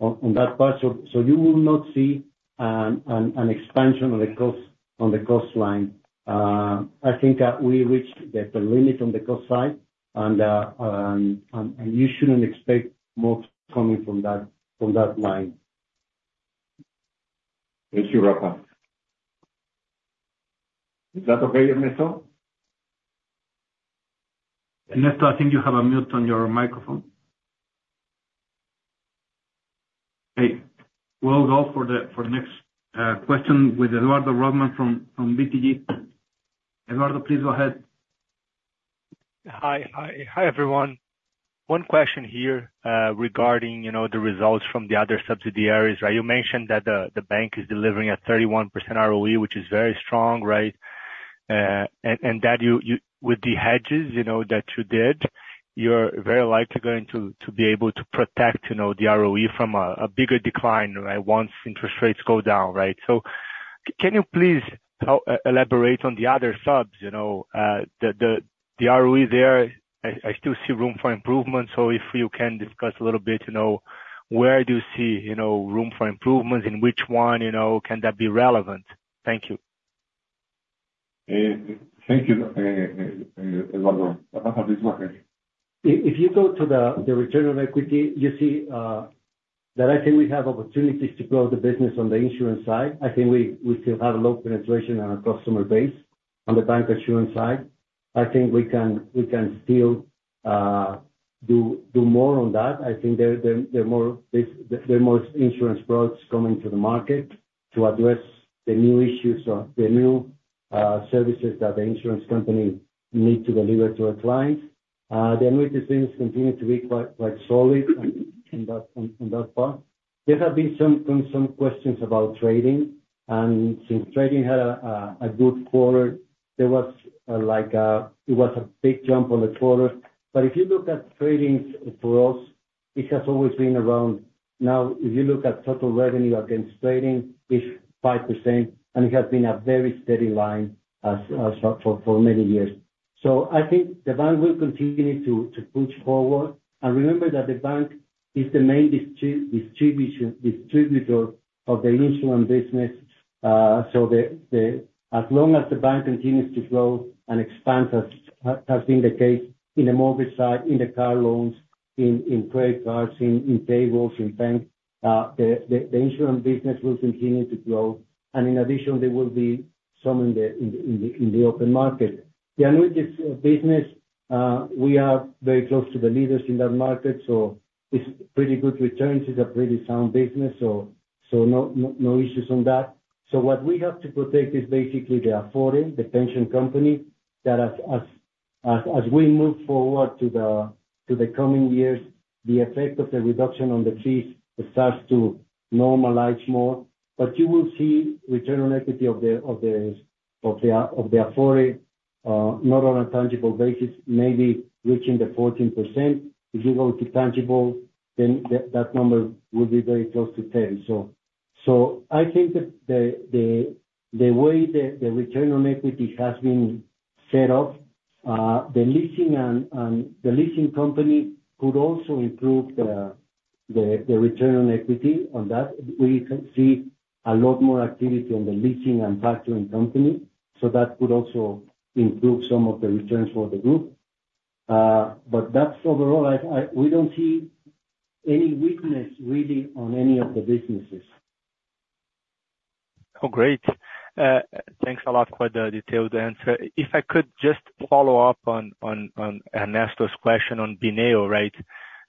[SPEAKER 3] on that part. So you will not see an expansion on the cost line. I think we reached the limit on the cost side, and you shouldn't expect more coming from that line.
[SPEAKER 2] Thank you, Rafa. Is that okay, Ernesto? Ernesto, I think you have a mute on your microphone. Okay. We'll go for the next question with Eduardo Rosman from BTG. Eduardo, please go ahead.
[SPEAKER 9] Hi. Hi, everyone. One question here regarding the results from the other subsidiaries. You mentioned that the bank is delivering a 31% ROE, which is very strong, right? And that with the hedges that you did, you're very likely going to be able to protect the ROE from a bigger decline once interest rates go down, right? So can you please elaborate on the other subs? The ROE there, I still see room for improvement. So if you can discuss a little bit, where do you see room for improvements and which one can that be relevant? Thank you.
[SPEAKER 2] Thank you, Eduardo. Rafa, please go ahead.
[SPEAKER 3] If you go to the return on equity, you see that I think we have opportunities to grow the business on the insurance side. I think we still have a low penetration on our customer base on the bank insurance side. I think we can still do more on that. I think there are more insurance products coming to the market to address the new issues or the new services that the insurance company needs to deliver to our clients. The annuity things continue to be quite solid on that part. There have been some questions about trading, and since trading had a good quarter, there was like a big jump on the quarter, but if you look at trading for us, it has always been around. Now, if you look at total revenue against trading, it's 5%, and it has been a very steady line for many years, so I think the bank will continue to push forward, and remember that the bank is the main distributor of the insurance business. So as long as the bank continues to grow and expand, as has been the case in the mortgage side, in the car loans, in credit cards, in payrolls, in banks, the insurance business will continue to grow. And in addition, there will be some in the open market. The annuity business, we are very close to the leaders in that market. So it's pretty good returns. It's a pretty sound business. So no issues on that. So what we have to protect is basically the Afore, the pension company that as we move forward to the coming years, the effect of the reduction on the fees starts to normalize more. But you will see return on equity of the Afore, not on a tangible basis, maybe reaching the 14%. If you go to tangible, then that number will be very close to 10%. So I think the way the return on equity has been set up, the leasing company could also improve the return on equity on that. We can see a lot more activity on the leasing and factoring company. So that could also improve some of the returns for the group. But that's overall. We don't see any weakness really on any of the businesses.
[SPEAKER 9] Oh, great. Thanks a lot for the detailed answer. If I could just follow up on Ernesto's question on Bineo, right?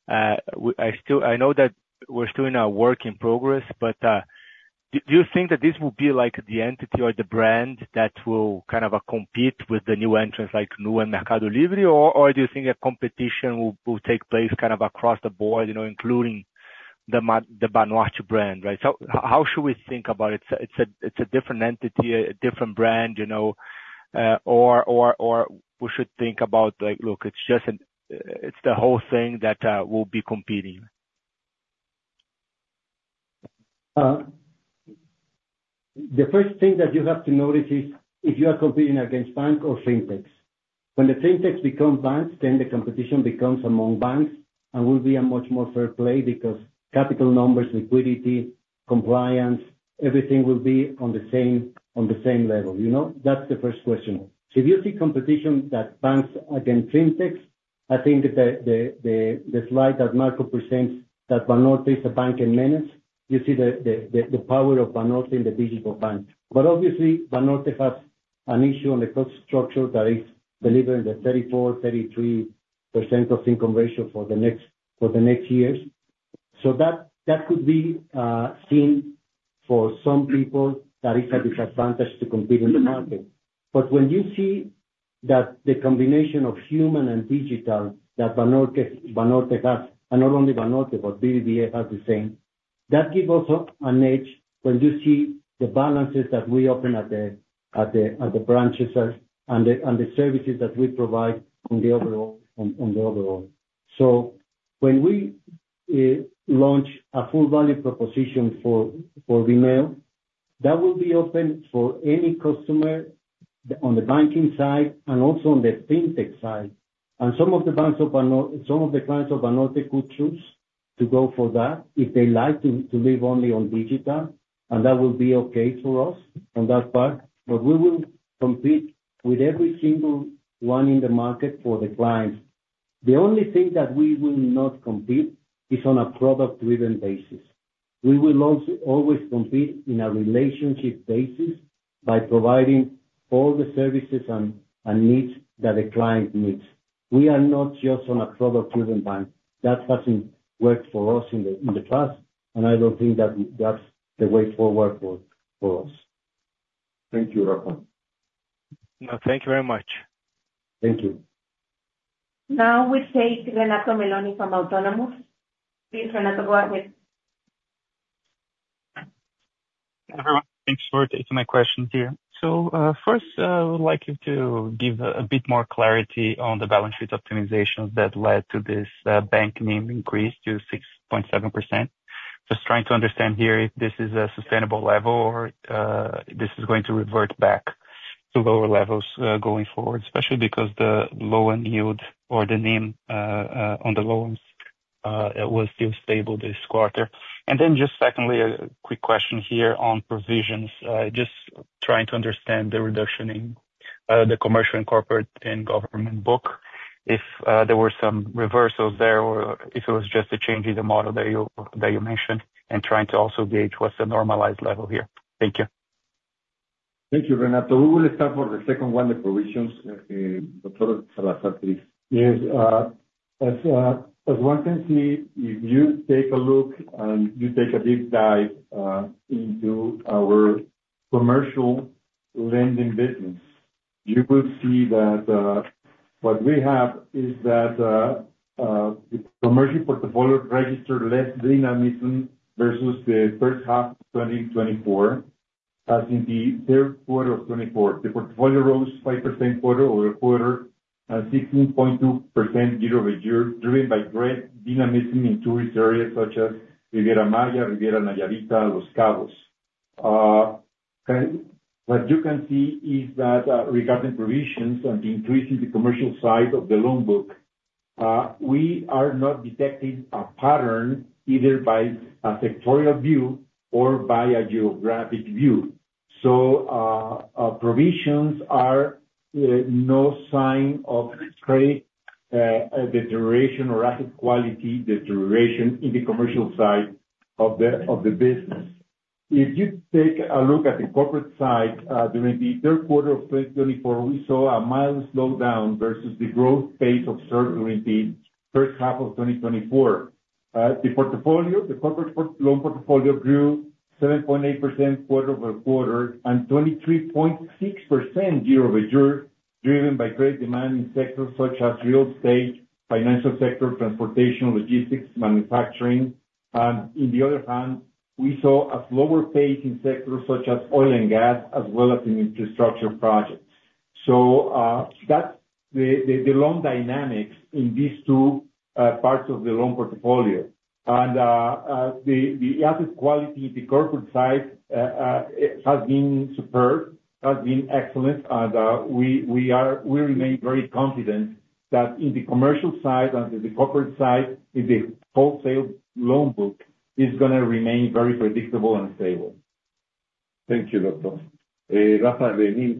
[SPEAKER 9] I know that we're still in a work in progress, but do you think that this will be the entity or the brand that will kind of compete with the new entrants like Nu and Mercado Libre? Or do you think that competition will take place kind of across the board, including the Banorte brand, right? So how should we think about it? It's a different entity, a different brand, or we should think about, look, it's the whole thing that will be competing.
[SPEAKER 3] The first thing that you have to notice is if you are competing against banks or fintechs. When the fintechs become banks, then the competition becomes among banks and will be a much more fair play because capital numbers, liquidity, compliance, everything will be on the same level. That's the first question. If you see competition that banks against fintechs, I think the slide that Marco presents, that Banorte is a bank in minutes, you see the power of Banorte in the digital bank. But obviously, Banorte has an issue on the cost structure that is delivering the 33%-34% income ratio for the next years. That could be seen for some people that is a disadvantage to compete in the market. But when you see that the combination of human and digital that Banorte has, and not only Banorte, but BBVA has the same, that gives also an edge when you see the balances that we open at the branches and the services that we provide on the overall. So when we launch a full value proposition for Bineo, that will be open for any customer on the banking side and also on the fintech side. And some of the banks of Banorte, some of the clients of Banorte could choose to go for that if they like to live only on digital. And that will be okay for us on that part. But we will compete with every single one in the market for the client. The only thing that we will not compete is on a product-driven basis. We will always compete on a relationship basis by providing all the services and needs that the client needs. We are not just a product-driven bank. That hasn't worked for us in the past. And I don't think that that's the way forward for us.
[SPEAKER 2] Thank you, Rafa.
[SPEAKER 3] Thank you very much.
[SPEAKER 9] Thank you.
[SPEAKER 7] Now we take Renato Meloni from Autonomous. Please, Renato, go ahead.
[SPEAKER 10] Thanks for taking my question here. So first, I would like you to give a bit more clarity on the balance sheet optimizations that led to this CET1 increase to 6.7%. Just trying to understand here if this is a sustainable level or if this is going to revert back to lower levels going forward, especially because the loan yield or the NIM on the loans was still stable this quarter. And then just secondly, a quick question here on provisions. Just trying to understand the reduction in the commercial and corporate and government book? If there were some reversals there or if it was just a change in the model that you mentioned and trying to also gauge what's the normalized level here? Thank you.
[SPEAKER 2] Thank you, Renato. We will start for the second one, the provisions. Dr. Salazar, please. Yes. As one can see, if you take a look and you take a deep dive into our commercial lending business, you will see that what we have is that the commercial portfolio registered less dynamism versus the first half of 2024. As in the third quarter of 2024, the portfolio rose 5% quarter over quarter and 16.2% year over year, driven by great dynamism in tourist areas such as Riviera Maya, Riviera Nayarita, Los Cabos. What you can see is that regarding provisions and the increase in the commercial side of the loan book, we are not detecting a pattern either by a sectoral view or by a geographic view. So provisions are no sign of trade deterioration or asset quality deterioration in the commercial side of the business. If you take a look at the corporate side, during the third quarter of 2024, we saw a mild slowdown versus the growth pace observed during the first half of 2024. The portfolio, the corporate loan portfolio grew 7.8% quarter over quarter and 23.6% year over year, driven by trade demand in sectors such as real estate, financial sector, transportation, logistics, manufacturing, and on the other hand, we saw a slower pace in sectors such as oil and gas as well as in infrastructure projects. That's the loan dynamics in these two parts of the loan portfolio. And the asset quality in the corporate side has been superb, has been excellent. And we remain very confident that in the commercial side and in the corporate side, in the wholesale loan book, it's going to remain very predictable and stable.
[SPEAKER 10] Thank you, Doctor Rafael.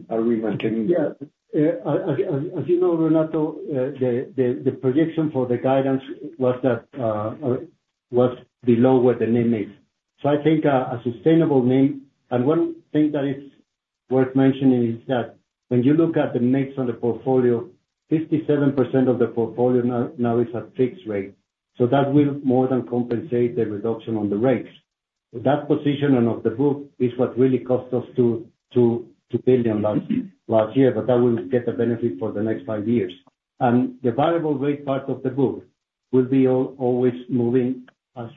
[SPEAKER 10] Are we maintaining?
[SPEAKER 3] Yeah. As you know, Renato, the projection for the guidance was below what the NIM is. So I think a sustainable NIM. And one thing that is worth mentioning is that when you look at the mix on the portfolio, 57% of the portfolio now is at fixed rate. So that will more than compensate the reduction on the rates. That position and of the book is what really cost us 2 billion last year, but that will get the benefit for the next five years. The variable rate part of the book will be always moving as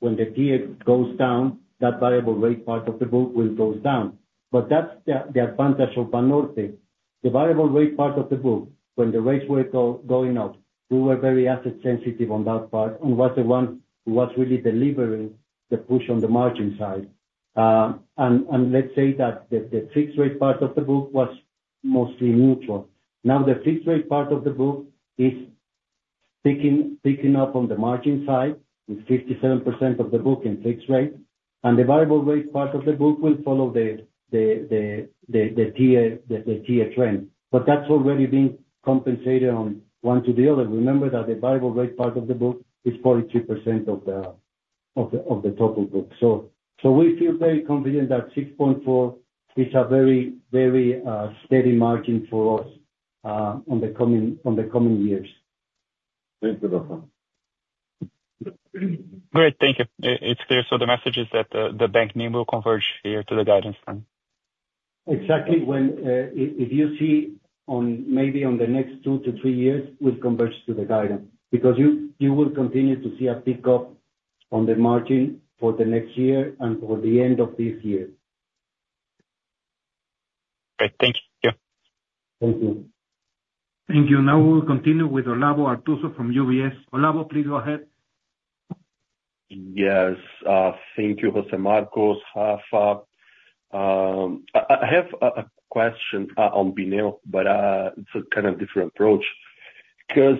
[SPEAKER 3] when the rate goes down, that variable rate part of the book will go down. But that's the advantage of Banorte. The variable rate part of the book, when the rates were going up, we were very asset-sensitive on that part and was the one who was really delivering the push on the margin side. And let's say that the fixed rate part of the book was mostly neutral. Now, the fixed rate part of the book is picking up on the margin side with 57% of the book in fixed rate. And the variable rate part of the book will follow the TIIE trend. But that's already been compensated on one to the other. Remember that the variable rate part of the book is 43% of the total book. So we feel very confident that 6.4% is a very, very steady margin for us on the coming years.
[SPEAKER 2] Thank you, Doctor.
[SPEAKER 1] Great. Thank you. It's clear. So the message is that the bank name will converge here to the guidance then.
[SPEAKER 3] Exactly. If you see maybe on the next two to three years, we'll converge to the guidance because you will continue to see a pickup on the margin for the next year and for the end of this year.
[SPEAKER 1] Great. Thank you. Thank you. Thank you. Now we will continue with Olavo Arthuzo from UBS. Olavo, please go ahead.
[SPEAKER 11] Yes. Thank you, José Marcos. Rafa, I have a question on Bineo, but it's a kind of different approach because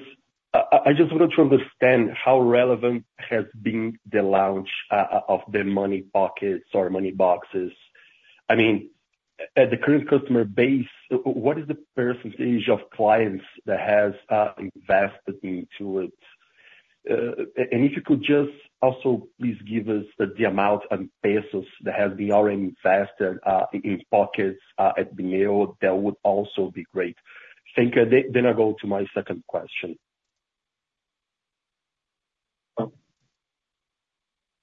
[SPEAKER 11] I just wanted to understand how relevant has been the launch of the Money Pockets or money boxes. I mean, at the current customer base, what is the percentage of clients that has invested into it? And if you could just also please give us the amount in pesos that has been already invested in pockets at Bineo, that would also be great. Thank you. Then I go to my second question.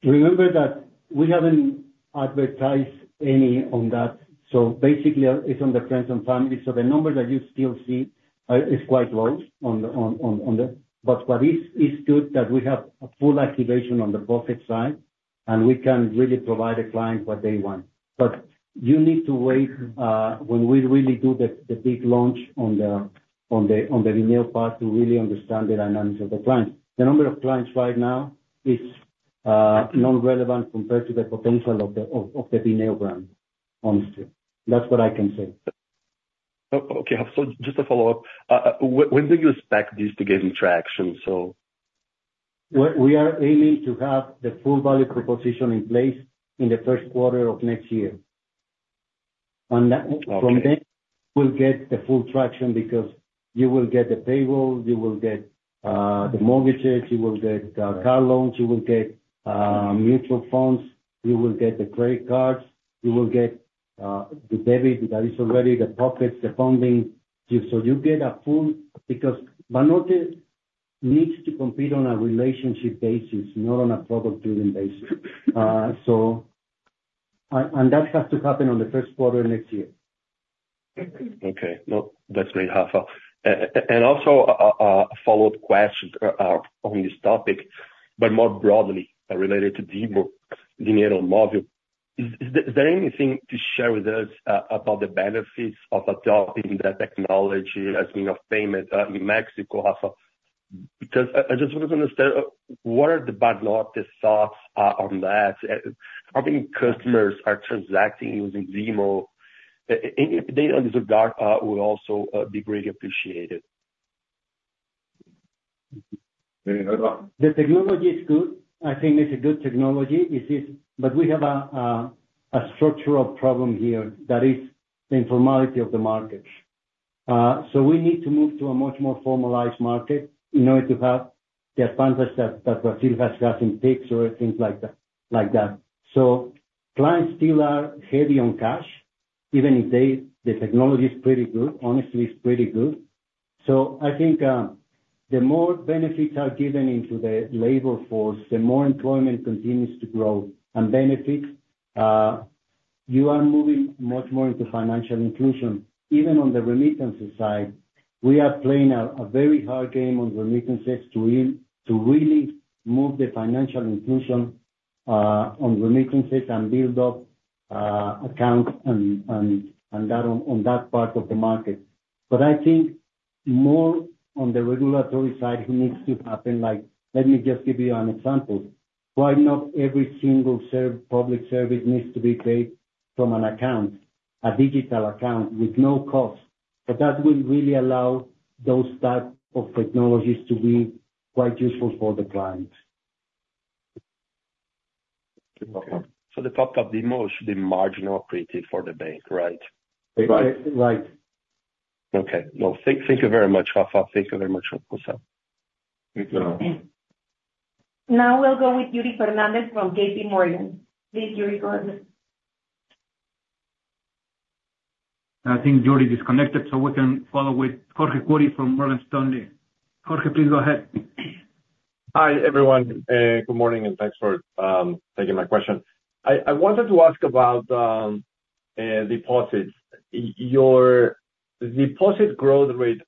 [SPEAKER 3] Remember that we haven't advertised any on that. So basically, it's on the friends and family. So the number that you still see is quite low on the. But what is good is that we have full activation on the pocket side, and we can really provide a client what they want. But you need to wait when we really do the big launch on the Bineo part to really understand the dynamics of the client. The number of clients right now is non-relevant compared to the potential of the Bineo brand, honestly. That's what I can say.
[SPEAKER 11] Okay, so just to follow up, when do you expect this to gain traction?
[SPEAKER 3] So we are aiming to have the full value proposition in place in the first quarter of next year, and from there, we'll get the full traction because you will get the payroll, you will get the mortgages, you will get car loans, you will get mutual funds, you will get the credit cards, you will get the debit that is already, the pockets, the funding, so you get a full because Banorte needs to compete on a relationship basis, not on a product-driven basis, and that has to happen on the first quarter next year.
[SPEAKER 11] Okay. That's great, Rafa, and also a follow-up question on this topic, but more broadly related to Dinero Móvil. Is there anything to share with us about the benefits of adopting that technology as being of payment in Mexico, Rafa? Because I just want to understand what are the Banorte's thoughts on that? How many customers are transacting using Dinero? Any data on this regard would also be greatly appreciated.
[SPEAKER 3] The technology is good. I think it's a good technology. But we have a structural problem here that is the informality of the market. So we need to move to a much more formalized market in order to have the advantage that Brazil has got in Pix or things like that. So clients still are heavy on cash, even if the technology is pretty good. Honestly, it's pretty good. So I think the more benefits are given into the labor force, the more employment continues to grow and benefits. You are moving much more into financial inclusion. Even on the remittances side, we are playing a very hard game on remittances to really move the financial inclusion on remittances and build up accounts and that on that part of the market. But I think more on the regulatory side needs to happen. Let me just give you an example. Why not every single public service needs to be paid from an account, a digital account with no cost? But that will really allow those types of technologies to be quite useful for the client.
[SPEAKER 11] So the top-up DiMo should be marginally operated for the bank, right? Right. Right.
[SPEAKER 3] Okay. Well, thank you very much, Rafa. Thank you very much, José.
[SPEAKER 11] Thank you.
[SPEAKER 7] Now we'll go with Yuri Fernandes from JPMorgan. Please, Yuri, go ahead. I think Yuri disconnected, so we can follow with Jorge Kuri from Morgan Stanley. Jorge, please go ahead. Hi, everyone.
[SPEAKER 12] Good morning and thanks for taking my question. I wanted to ask about deposits. Your deposit growth rate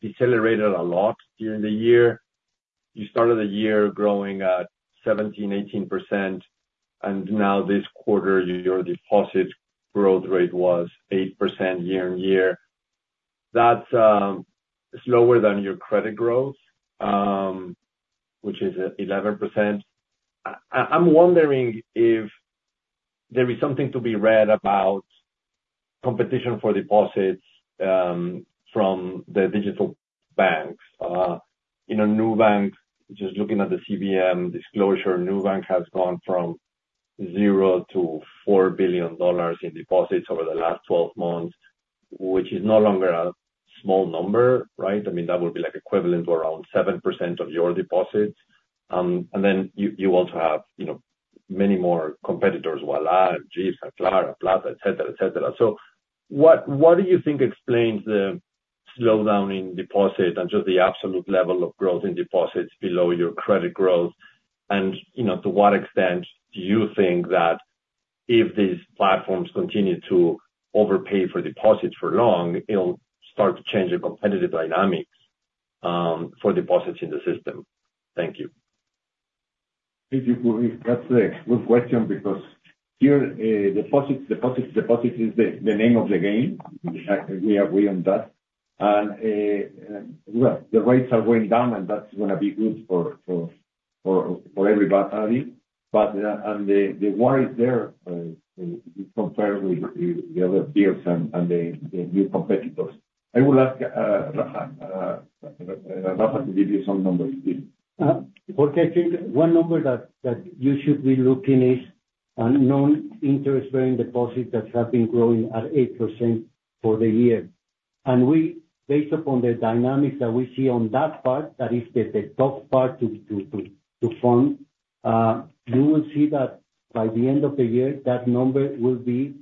[SPEAKER 12] decelerated a lot during the year. You started the year growing at 17%-18%. And now this quarter, your deposit growth rate was 8% year on year. That's slower than your credit growth, which is 11%. I'm wondering if there is something to be read about competition for deposits from the digital banks. In a new bank, just looking at the GBM disclosure, a new bank has gone from zero to $4 billion in deposits over the last 12 months, which is no longer a small number, right? I mean, that would be equivalent to around 7% of your deposits. And then you also have many more competitors: Ualá, Nu, and Clara, Plata, etc., etc. So what do you think explains the slowdown in deposits and just the absolute level of growth in deposits below your credit growth? And to what extent do you think that if these platforms continue to overpay for deposits for long, it'll start to change the competitive dynamics for deposits in the system? Thank you.
[SPEAKER 2] Thank you, Jorge. That's a good question because here, deposits, deposits, deposits is the name of the game. We agree on that. And the rates are going down, and that's going to be good for everybody. But the war is there compared with the other peers and the new competitors. I would ask Rafa to give you some numbers, please.
[SPEAKER 13] Okay.
[SPEAKER 3] I think one number that you should be looking is non-interest-bearing deposits that have been growing at 8% for the year. Based upon the dynamics that we see on that part, that is the top part to fund, you will see that by the end of the year, that number will be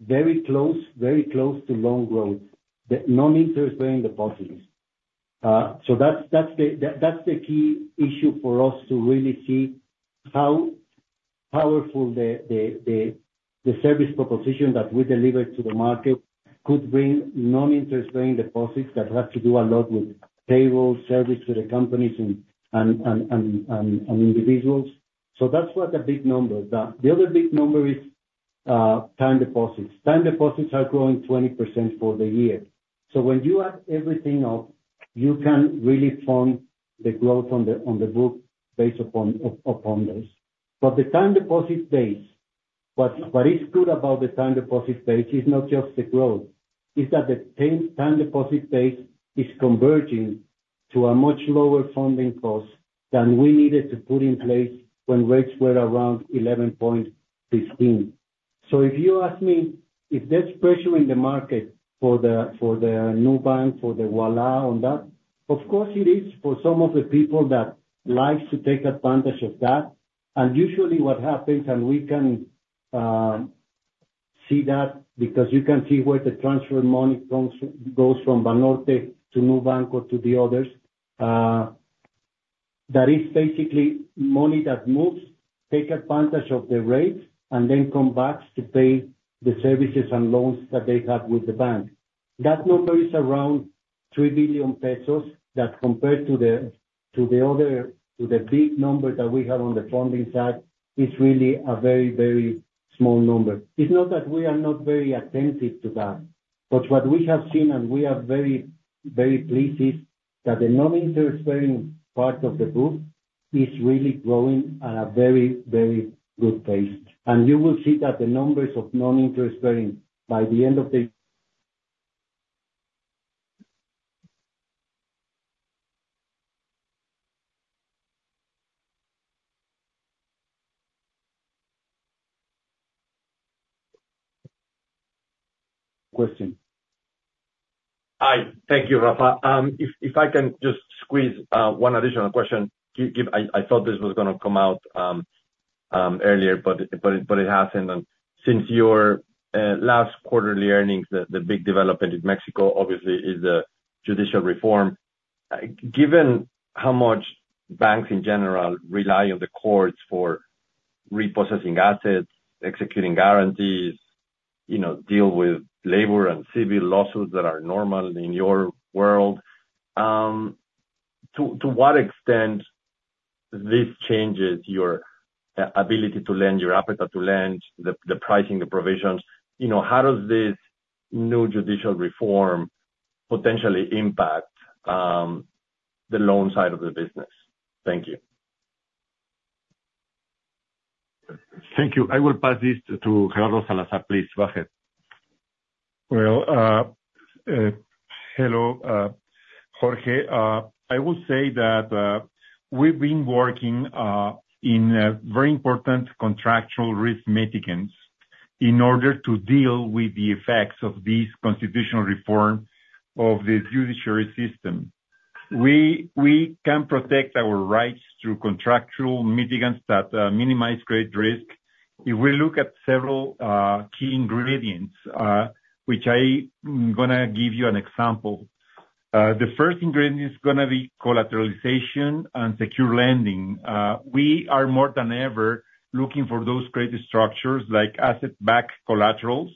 [SPEAKER 3] very close, very close to loan growth, the non-interest-bearing deposits. So that's the key issue for us to really see how powerful the service proposition that we deliver to the market could bring non-interest-bearing deposits that have to do a lot with payroll service to the companies and individuals. So that's what the big number is. The other big number is time deposits. Time deposits are growing 20% for the year. So when you add everything up, you can really fund the growth on the book based upon those. But the time deposit base, what is good about the time deposit base is not just the growth. It's that the time deposit base is converging to a much lower funding cost than we needed to put in place when rates were around 11.15. If you ask me if there's pressure in the market for the new bank, for the Ualá on that, of course, it is for some of the people that like to take advantage of that. Usually what happens, and we can see that because you can see where the transfer money goes from Banorte to Nu to the others, that is basically money that moves, takes advantage of the rates, and then comes back to pay the services and loans that they have with the bank. That number is around $3 billion that compared to the other big number that we have on the funding side is really a very, very small number. It's not that we are not very attentive to that. But what we have seen, and we are very, very pleased, is that the non-interest-bearing part of the book is really growing at a very, very good pace. And you will see that the numbers of non-interest-bearing by the end of the question.
[SPEAKER 12] Hi. Thank you, Rafa. If I can just squeeze one additional question. I thought this was going to come out earlier, but it hasn't. Since your last quarterly earnings, the big development in Mexico, obviously, is the judicial reform, given how much banks in general rely on the courts for repossessing assets, executing guarantees, dealing with labor and civil lawsuits that are normal in your world, to what extent this changes your ability to lend, your appetite to lend, the pricing, the provisions, how does this new judicial reform potentially impact the loan side of the business? Thank you.
[SPEAKER 2] Thank you. I will pass this to Gerardo Salazar, please. Go ahead.
[SPEAKER 4] Hello, Jorge. I will say that we've been working in very important contractual risk mitigants in order to deal with the effects of this constitutional reform of the judiciary system. We can protect our rights through contractual mitigants that minimize great risk. If we look at several key ingredients, which I'm going to give you an example, the first ingredient is going to be collateralization and secure lending. We are more than ever looking for those credit structures like asset-backed collaterals.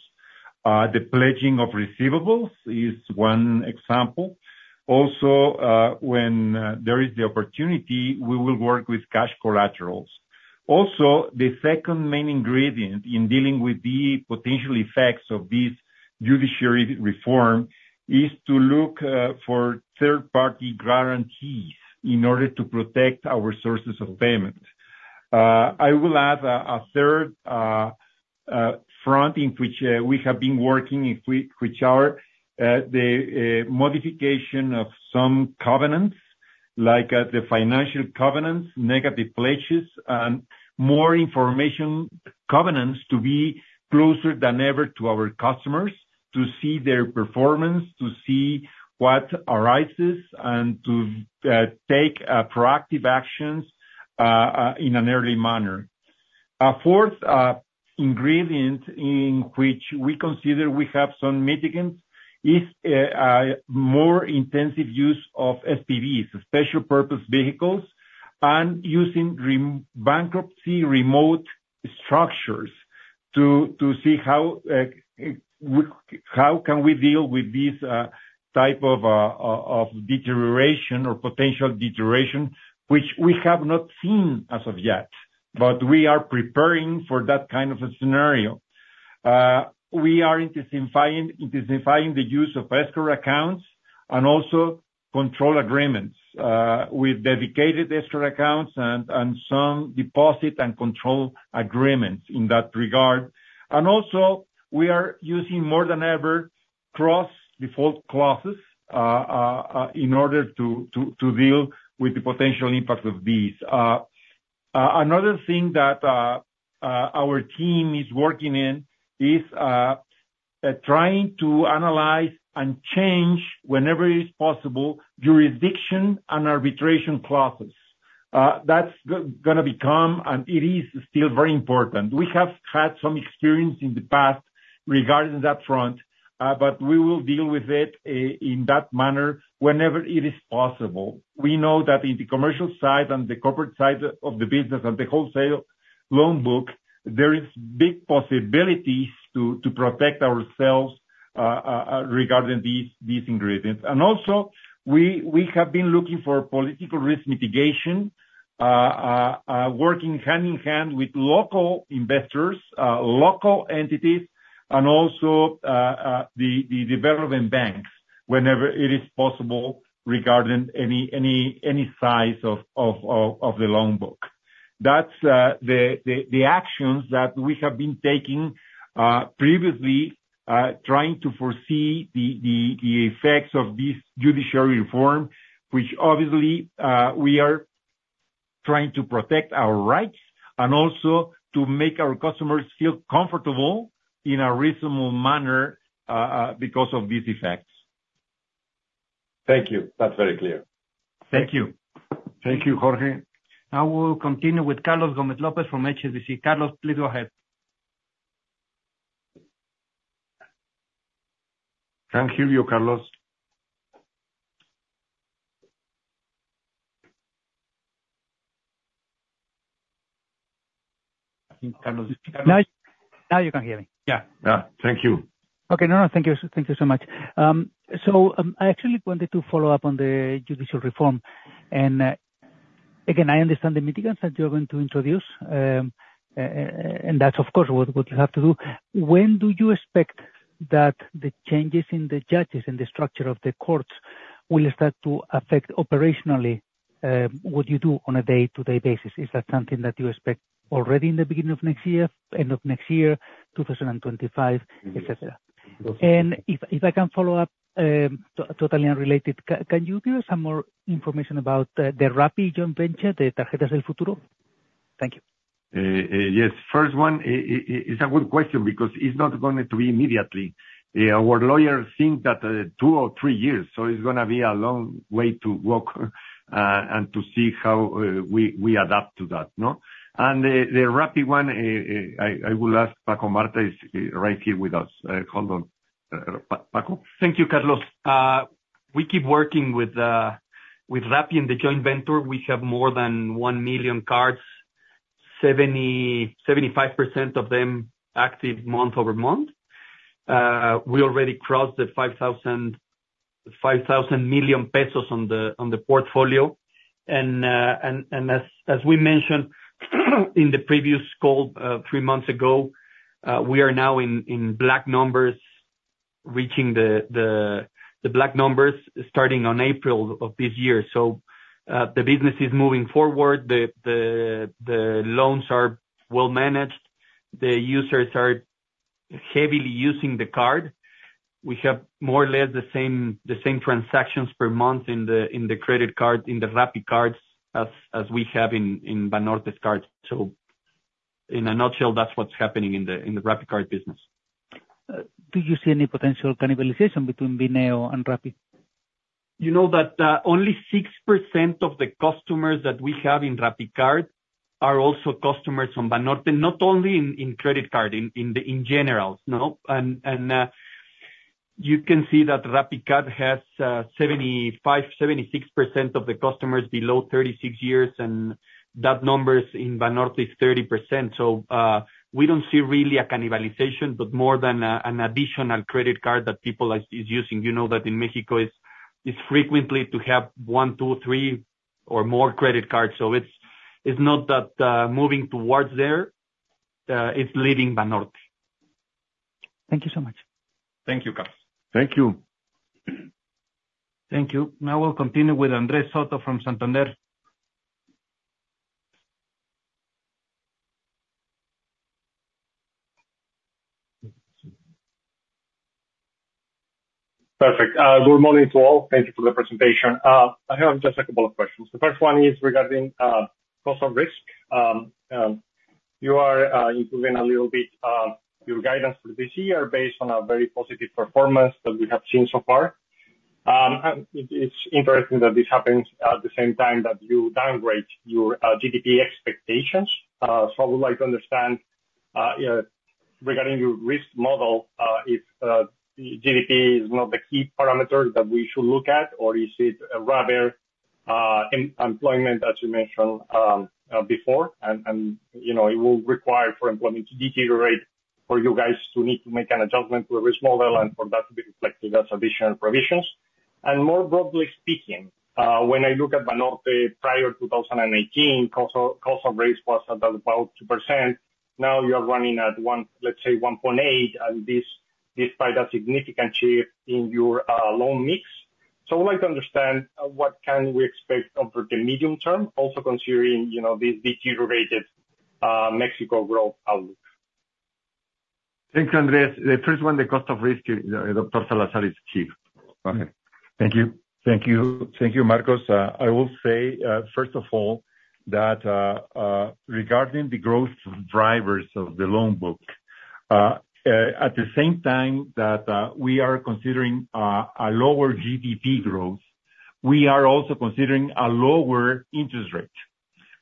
[SPEAKER 4] The pledging of receivables is one example. Also, when there is the opportunity, we will work with cash collaterals. Also, the second main ingredient in dealing with the potential effects of this judiciary reform is to look for third-party guarantees in order to protect our sources of payment. I will add a third front in which we have been working, which are the modification of some covenants, like the financial covenants, negative pledges, and more information covenants to be closer than ever to our customers, to see their performance, to see what arises, and to take proactive actions in an early manner. A fourth ingredient in which we consider we have some mitigants is more intensive use of SPVs, special purpose vehicles, and using bankruptcy remote structures to see how can we deal with this type of deterioration or potential deterioration, which we have not seen as of yet, but we are preparing for that kind of a scenario. We are intensifying the use of escrow accounts and also control agreements with dedicated escrow accounts and some deposit and control agreements in that regard, and also, we are using more than ever cross-default clauses in order to deal with the potential impact of these. Another thing that our team is working in is trying to analyze and change, whenever it is possible, jurisdiction and arbitration clauses. That's going to become, and it is still very important. We have had some experience in the past regarding that front, but we will deal with it in that manner whenever it is possible. We know that in the commercial side and the corporate side of the business and the wholesale loan book, there are big possibilities to protect ourselves regarding these ingredients. And also, we have been looking for political risk mitigation, working hand in hand with local investors, local entities, and also the developing banks whenever it is possible regarding any size of the loan book. That's the actions that we have been taking previously, trying to foresee the effects of this judiciary reform, which obviously we are trying to protect our rights and also to make our customers feel comfortable in a reasonable manner because of these effects.
[SPEAKER 14] Thank you. That's very clear. Thank you.
[SPEAKER 2] Thank you, Jorge.
[SPEAKER 1] Now we'll continue with Carlos Gómez López from HSBC. Carlos, please go ahead. Can't hear you, Carlos. Now you can hear me.
[SPEAKER 15] Yeah. Yeah. Thank you. Okay. No, no. Thank you so much. So I actually wanted to follow up on the judicial reform. And again, I understand the mitigants that you're going to introduce, and that's, of course, what you have to do. When do you expect that the changes in the judges and the structure of the courts will start to affect operationally what you do on a day-to-day basis? Is that something that you expect already in the beginning of next year, end of next year, 2025, etc.? And if I can follow up, totally unrelated, can you give us some more information about the Rappi joint venture, the Tarjeta del Futuro? Thank you.
[SPEAKER 2] Yes. First one, it's a good question because it's not going to be immediately. Our lawyers think that two or three years, so it's going to be a long way to walk and to see how we adapt to that. The Rappi one, I will ask Paco Marta is right here with us. Hold on, Paco.
[SPEAKER 16] Thank you, Carlos. We keep working with Rappi and the joint venture. We have more than one million cards, 75% of them active month over month. We already crossed the 5,000 million pesos on the portfolio. As we mentioned in the previous call three months ago, we are now in black numbers, reaching the black numbers starting on April of this year. The business is moving forward. The loans are well-managed. The users are heavily using the card. We have more or less the same transactions per month in the credit card, in the Rappi cards as we have in Banorte's card. So in a nutshell, that's what's happening in the RappiCard business.
[SPEAKER 17] Do you see any potential cannibalization between Bineo and Rappi?
[SPEAKER 3] You know that only 6% of the customers that we have in RappiCard are also customers on Banorte, not only in credit card in general. And you can see that RappiCard has 75-76% of the customers below 36 years, and that number in Banorte is 30%. So we don't see really a cannibalization, but more than an additional credit card that people are using. You know that in Mexico, it's frequently to have one, two, three, or more credit cards. So it's not that moving towards there. It's leading Banorte.
[SPEAKER 15] Thank you so much.
[SPEAKER 3] Thank you, Carlos.
[SPEAKER 2] Thank you.
[SPEAKER 15] Thank you. Now we'll continue with Andrés Soto from Santander. Perfect. Good morning to all. Thank you for the presentation.
[SPEAKER 18] I have just a couple of questions. The first one is regarding cost of risk. You are improving a little bit your guidance for this year based on a very positive performance that we have seen so far. It's interesting that this happens at the same time that you downgrade your GDP expectations. So I would like to understand regarding your risk model, if GDP is not the key parameter that we should look at, or is it rather employment, as you mentioned before, and it will require for employment to deteriorate for you guys to need to make an adjustment to the risk model and for that to be reflected as additional provisions? And more broadly speaking, when I look at Banorte, prior to 2018, cost of risk was about 2%. Now you are running at, let's say, 1.8%, and this is quite a sig nificant shift in your loan mix. So I would like to understand what can we expect over the medium term, also considering this deteriorated Mexico growth outlook?
[SPEAKER 2] Thank you, Andrés. The first one, the cost of risk, Dr. Salazar is chief. Go ahead.
[SPEAKER 4] Thank you. Thank you. Thank you, Marcos. I will say, first of all, that regarding the growth drivers of the loan book, at the same time that we are considering a lower GDP growth, we are also considering a lower interest rate,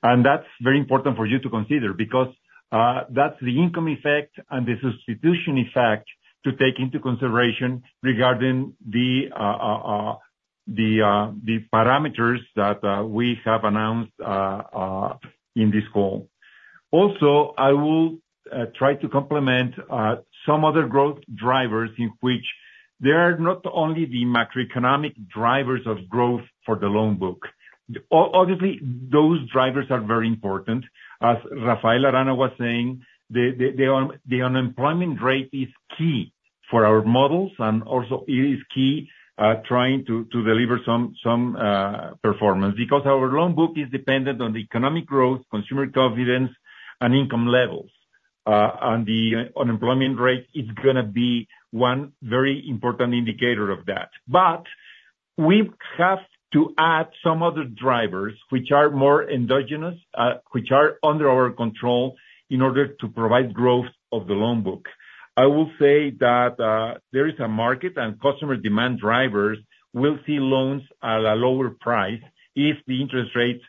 [SPEAKER 4] and that's very important for you to consider because that's the income effect and the substitution effect to take into consideration regarding the parameters that we have announced in this call. Also, I will try to complement some other growth drivers in which there are not only the macroeconomic drivers of growth for the loan book. Obviously, those drivers are very important. As Rafael Arana was saying, the unemployment rate is key for our models, and also it is key trying to deliver some performance because our loan book is dependent on the economic growth, consumer confidence, and income levels, and the unemployment rate is going to be one very important indicator of that, but we have to add some other drivers which are more endogenous, which are under our control in order to provide growth of the loan book. I will say that there is a market and customer demand. Drivers will see loans at a lower price if the interest rates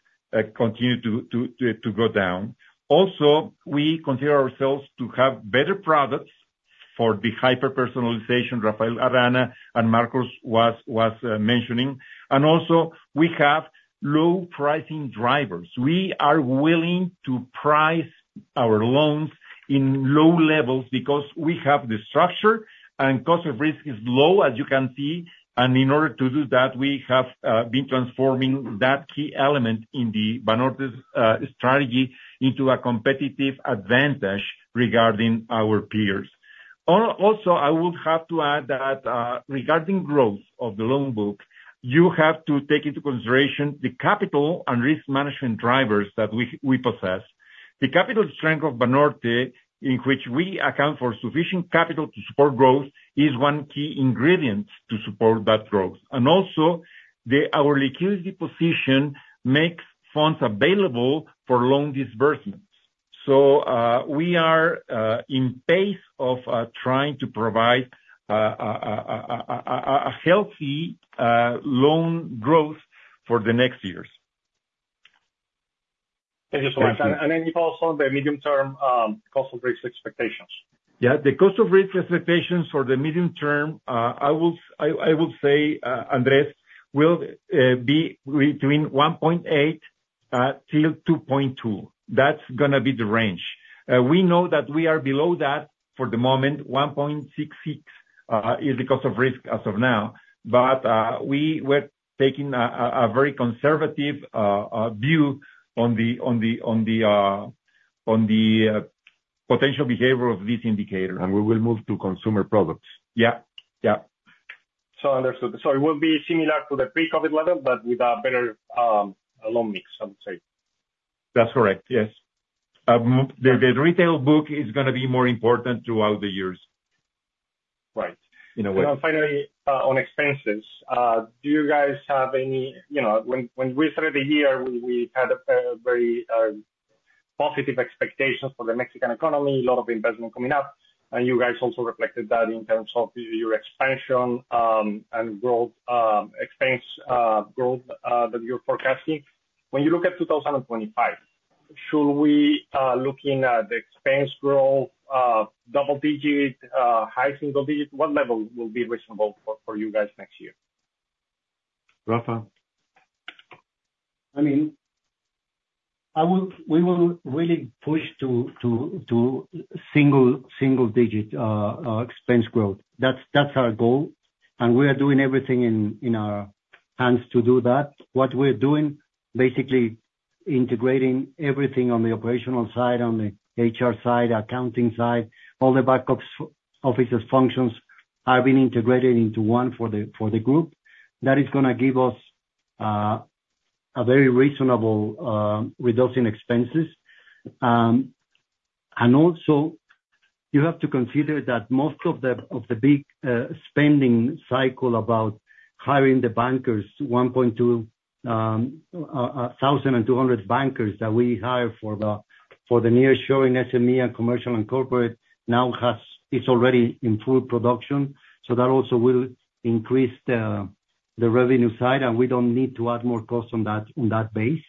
[SPEAKER 4] continue to go down. Also, we consider ourselves to have better products for the hyper-personalization Rafael Arana and Marcos was mentioning, and also, we have low pricing drivers. We are willing to price our loans in low levels because we have the structure and cost of risk is low, as you can see. In order to do that, we have been transforming that key element in the Banorte's strategy into a competitive advantage regarding our peers. Also, I will have to add that regarding growth of the loan book, you have to take into consideration the capital and risk management drivers that we possess. The capital strength of Banorte, in which we account for sufficient capital to support growth, is one key ingredient to support that growth. Our liquidity position makes funds available for loan disbursements. We are on pace of trying to provide a healthy loan growth for the next years.
[SPEAKER 18] Thank you so much. And then you've also on the medium-term cost of risk expectations. Yeah.
[SPEAKER 4] The cost of risk expectations for the medium term, I will say, Andrés, will be between 1.8% till 2.2%. That's going to be the range. We know that we are below that for the moment. 1.66% is the cost of risk as of now, but we were taking a very conservative view on the potential behavior of this indicator. We will move to consumer products. Yeah.
[SPEAKER 18] Yeah. Understood. It will be similar to the pre-COVID level, but with a better loan mix, I would say.
[SPEAKER 4] That's correct. Yes. The retail book is going to be more important throughout the years, in a way.
[SPEAKER 18] Finally, on expenses, do you guys have any? When we started the year, we had very positive expectations for the Mexican economy, a lot of investment coming up, and you guys also reflected that in terms of your expansion and growth, expense growth that you're forecasting. When you look at 2025, should we look at the expense growth, double-digit, high single digit? What level will be reasonable for you guys next year?
[SPEAKER 2] Rafa.
[SPEAKER 3] I mean, we will really push to single-digit expense growth. That's our goal, and we are doing everything in our hands to do that. What we're doing, basically integrating everything on the operational side, on the HR side, accounting side, all the back office's functions have been integrated into one for the group. That is going to give us a very reasonable reduction in expenses. And also, you have to consider that most of the big spending cycle about hiring the bankers, 1,200 bankers that we hired for the nearshoring SME and commercial and corporate now is already in full production. So that also will increase the revenue side, and we don't need to add more cost on that base.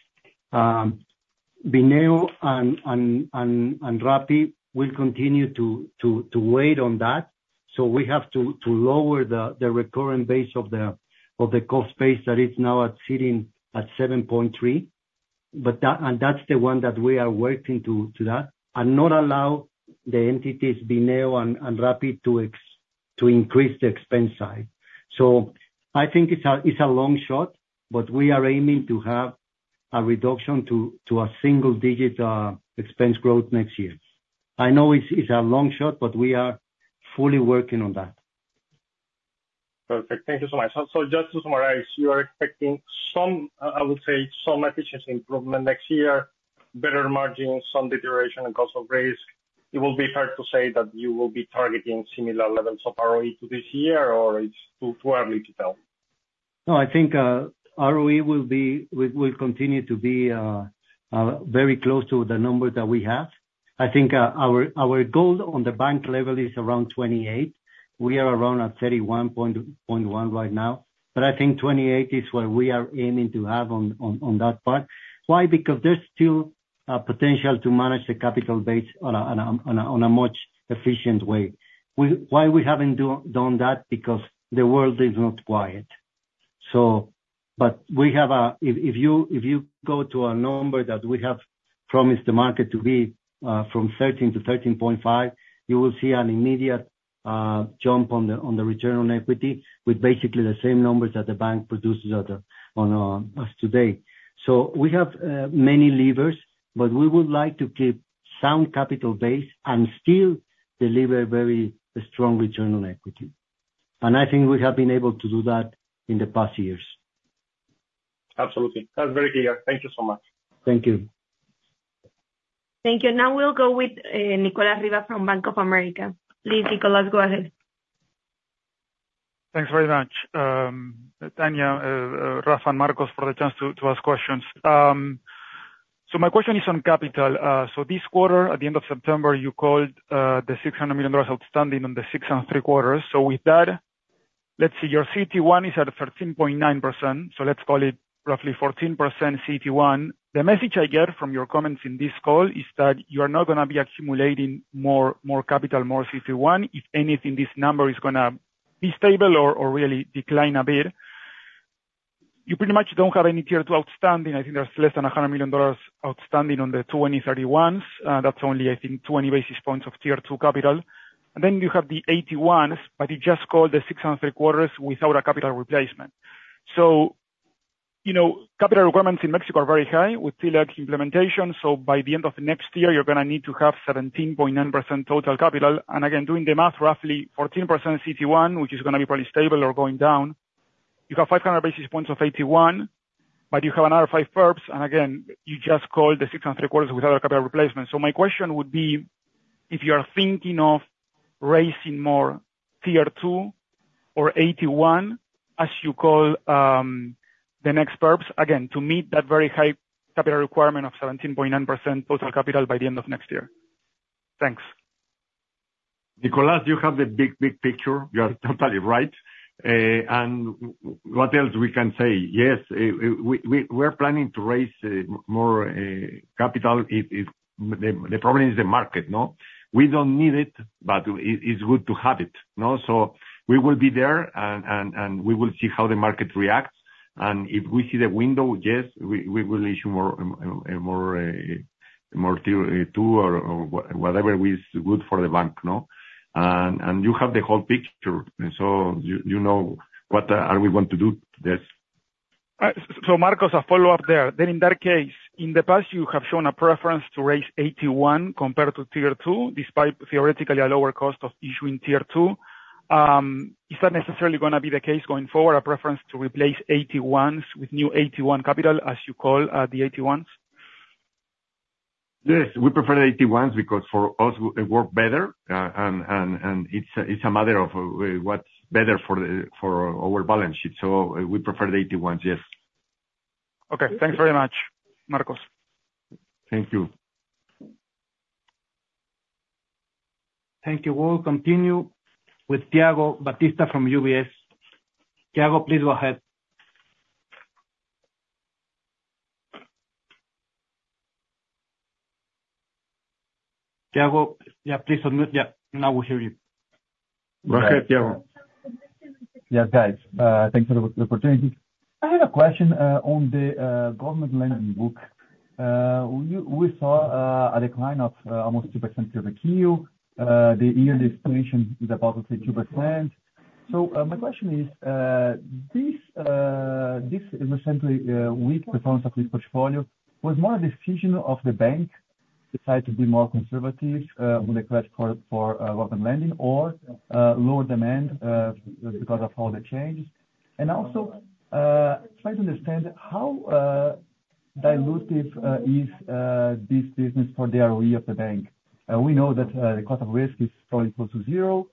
[SPEAKER 3] Bineo and Rappi will continue to weigh on that. So we have to lower the recurrent base of the cost base that is now sitting at 7.3. And that's the one that we are working to that and not allow the entities Bineo and Rappi to increase the expense side. So I think it's a long shot, but we are aiming to have a reduction to a single-digit expense growth next year. I know it's a long shot, but we are fully working on that. Perfect. Thank you so much.
[SPEAKER 2] So just to summarize, you are expecting, I would say, some efficiency improvement next year, better margins, some deterioration in cost of risk. It will be hard to say that you will be targeting similar levels of ROE to this year, or it's too early to tell.
[SPEAKER 3] No, I think ROE will continue to be very close to the number that we have. I think our goal on the bank level is around 28. We are around at 31.1 right now, but I think 28 is what we are aiming to have on that part. Why? Because there's still a potential to manage the capital base on a much efficient way. Why we haven't done that? Because the world is not quiet. But if you go to a number that we have promised the market to be from 13 to 13.5, you will see an immediate jump on the return on equity with basically the same numbers that the bank produces on us today. So we have many levers, but we would like to keep sound capital base and still deliver very strong return on equity. And I think we have been able to do that in the past years.
[SPEAKER 18] Absolutely. That's very clear. Thank you so much.
[SPEAKER 3] Thank you. Thank you.
[SPEAKER 7] Now we'll go with Nicolas Riva from Bank of America. Please, Nicolas, go ahead.
[SPEAKER 19] Thanks very much, Tania, Rafa, and Marcos for the chance to ask questions. So my question is on capital. So this quarter, at the end of September, you called the $600 million outstanding on the six and three quarters. So with that, let's see. Your CET1 is at 13.9%. So let's call it roughly 14% CET1. The message I get from your comments in this call is that you are not going to be accumulating more capital, more CET1. If anything, this number is going to be stable or really decline a bit. You pretty much don't have any Tier 2 outstanding. I think there's less than $100 million outstanding on the 2031s. That's only, I think, 20 basis points of Tier 2 capital. And then you have the 81s, but you just called the six and three quarters without a capital replacement. So capital requirements in Mexico are very high with TLAC implementation. So by the end of next year, you're going to need to have 17.9% total capital. And again, doing the math, roughly 14% CET1, which is going to be probably stable or going down. You have 500 basis points of 81, but you have another five perps. And again, you just called the six and three quarters without a capital replacement. So my question would be, if you are thinking of raising more tier two or 81 as you call the next perps, again, to meet that very high capital requirement of 17.9% total capital by the end of next year. Thanks.
[SPEAKER 2] Nicolas, you have the big, big picture. You are totally right. And what else we can say? Yes, we are planning to raise more capital. The problem is the market. We don't need it, but it's good to have it. So we will be there, and we will see how the market reacts. And if we see the window, yes, we will issue more tier two or whatever is good for the bank. And you have the whole picture. So you know what we want to do.
[SPEAKER 19] Yes. So, Marcos, a follow-up there. Then, in that case, in the past, you have shown a preference to raise 81 compared to Tier 2 despite theoretically a lower cost of issuing Tier 2. Is that necessarily going to be the case going forward, a preference to replace 81s with new 81 capital, as you call the 81s?
[SPEAKER 2] Yes. We prefer the 81s because for us, it works better, and it's a matter of what's better for our balance sheet. So we prefer the 81s, yes.
[SPEAKER 19] Okay. Thanks very much, Marcos.
[SPEAKER 2] Thank you.
[SPEAKER 1] Thank you. We'll continue with Thiago Batista from UBS. Thiago, please go ahead. Thiago, yeah, please unmute. Yeah. Now we hear you. Go ahead, Tiago.
[SPEAKER 20] Yes, guys. Thanks for the opportunity. I have a question on the government lending book. We saw a decline of almost 2% to the Q. The year-to-date position is about to say 2%. So my question is, this recently weak performance of this portfolio was more a decision of the bank to decide to be more conservative with the credit for government lending or lower demand because of all the changes? And also, trying to understand how dilutive is this business for the ROE of the bank. We know that the cost of risk is probably close to zero.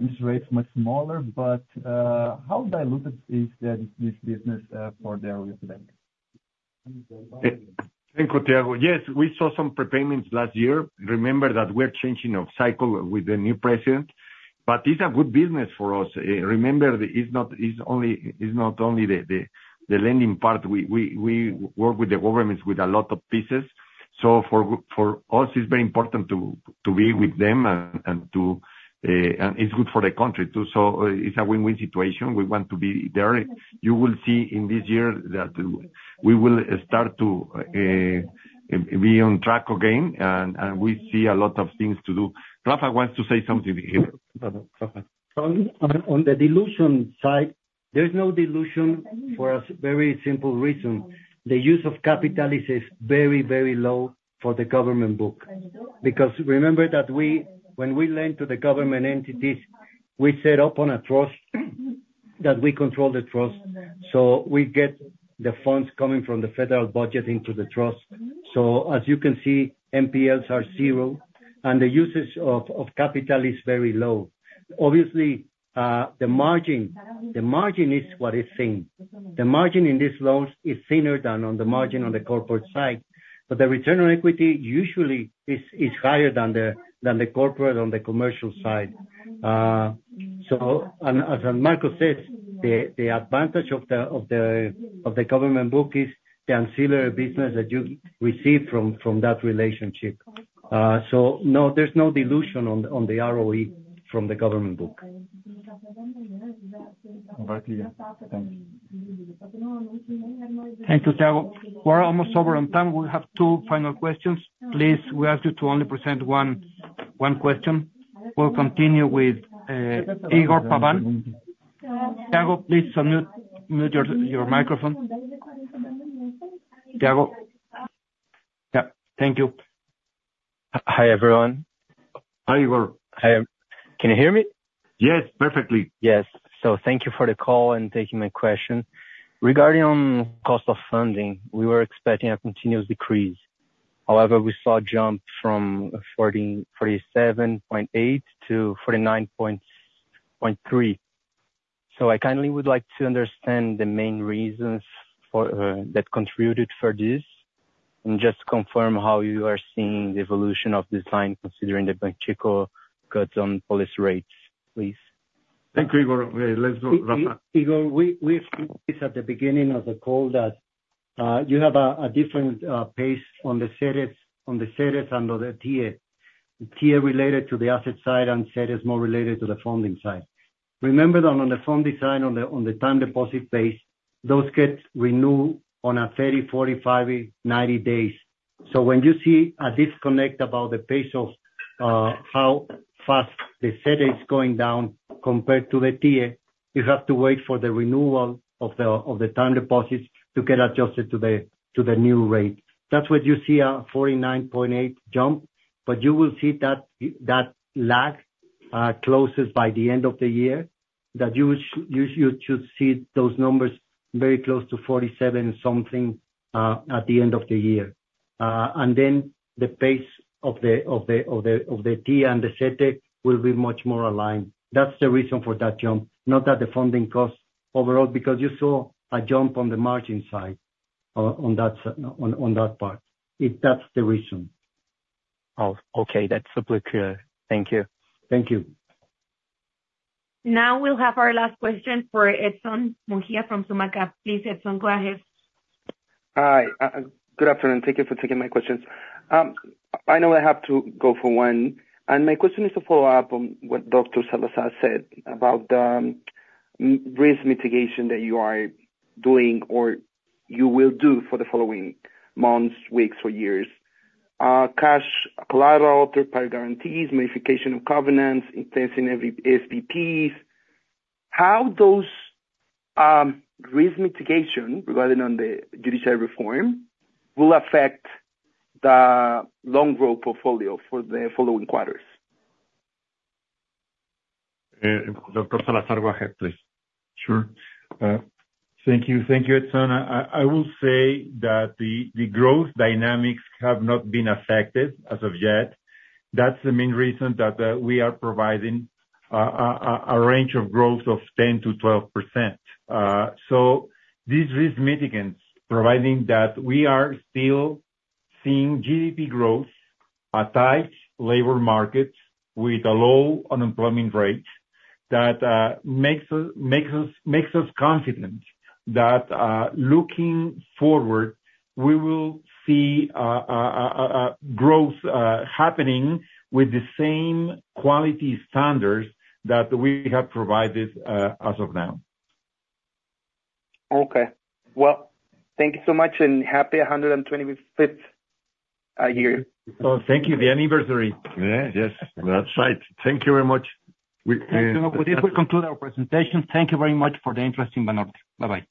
[SPEAKER 20] Interest rates are much smaller, but how diluted is this business for the ROE of the bank?
[SPEAKER 2] Thank you, Tiago. Yes, we saw some prepayments last year. Remember that we are changing of cycle with the new president, but it's a good business for us. Remember, it's not only the lending part. We work with the governments with a lot of pieces. So for us, it's very important to be with them, and it's good for the country too. So it's a win-win situation. We want to be there. You will see in this year that we will start to be on track again, and we see a lot of things to do. Rafa wants to say something here.
[SPEAKER 3] On the dilution side, there's no dilution for a very simple reason. The use of capital is very, very low for the government book because remember that when we lend to the government entities, we set up on a trust that we control the trust. So we get the funds coming from the federal budget into the trust. So as you can see, NPLs are zero, and the usage of capital is very low. Obviously, the margin is what is seen. The margin in these loans is thinner than on the margin on the corporate side, but the return on equity usually is higher than the corporate on the commercial side. So as Marcos says, the advantage of the government book is the ancillary business that you receive from that relationship. So no, there's no dilution on the ROE from the government book.
[SPEAKER 1] Thank you, Thiago. We're almost over on time. We have two final questions. Please, we ask you to only present one question. We'll continue with Igor Pavan. Thiago, please unmute your microphone. Thiago. Yeah. Thank you.
[SPEAKER 21] Hi, everyone.
[SPEAKER 2] Hi, Igor.
[SPEAKER 21] Can you hear me?
[SPEAKER 2] Yes, perfectly.
[SPEAKER 21] Yes. So thank you for the call and taking my question. Regarding cost of funding, we were expecting a continuous decrease. However, we saw a jump from 47.8 to 49.3. I kindly would like to understand the main reasons that contributed for this and just confirm how you are seeing the evolution of this line considering the Banxico cuts on policy rates, please.
[SPEAKER 2] Thank you, Igor. Let's go to Rafa.
[SPEAKER 3] Igor, we explained this at the beginning of the call that you have a different pace on the CETES and on the TIIE. TIIE is related to the asset side, and CETES is more related to the funding side. Remember that on the funding side, on the time deposit base, those gets renewed on a 30, 45, 90 days. So when you see a disconnect about the pace of how fast the CETES is going down compared to the TIIE, you have to wait for the renewal of the time deposits to get adjusted to the new rate. That's what you see, a 49.8 jump, but you will see that lag closes by the end of the year. That you should see those numbers very close to 47 something at the end of the year. And then the pace of the TIIE and the CETES will be much more aligned. That's the reason for that jump, not that the funding cost overall, because you saw a jump on the margin side on that part. That's the reason.
[SPEAKER 21] Oh, okay. That's super clear. Thank you.
[SPEAKER 3] Thank you.
[SPEAKER 7] Now we'll have our last question for Edson Murguia from Summa Capital. Please, Edson, go ahead.
[SPEAKER 22] Hi. Good afternoon. Thank you for taking my questions. I know I have to go for one. And my question is to follow up on what Dr.Salazar said about the risk mitigation that you are doing or you will do for the following months, weeks, or years. Cash collateral, third-party guarantees, modification of covenants, intensive SPVs. How those risk mitigation regarding on the judiciary reform will affect the loan portfolio for the following quarters?
[SPEAKER 2] Dr. Salazar, go ahead, please. Sure. Thank you.
[SPEAKER 4] Thank you, Edson. I will say that the growth dynamics have not been affected as of yet. That's the main reason that we are providing a range of growth of 10%-12%. So these risk mitigants providing that we are still seeing GDP growth, a tight labor market with a low unemployment rate that makes us confident that looking forward, we will see growth happening with the same quality standards that we have provided as of now.
[SPEAKER 22] Okay. Well, thank you so much and happy 125th year. Thank you. The anniversary. Yes.
[SPEAKER 2] That's right. Thank you very much. Thank you. With this, we conclude our presentation. Thank you very much for the interest in Banorte. Bye-bye.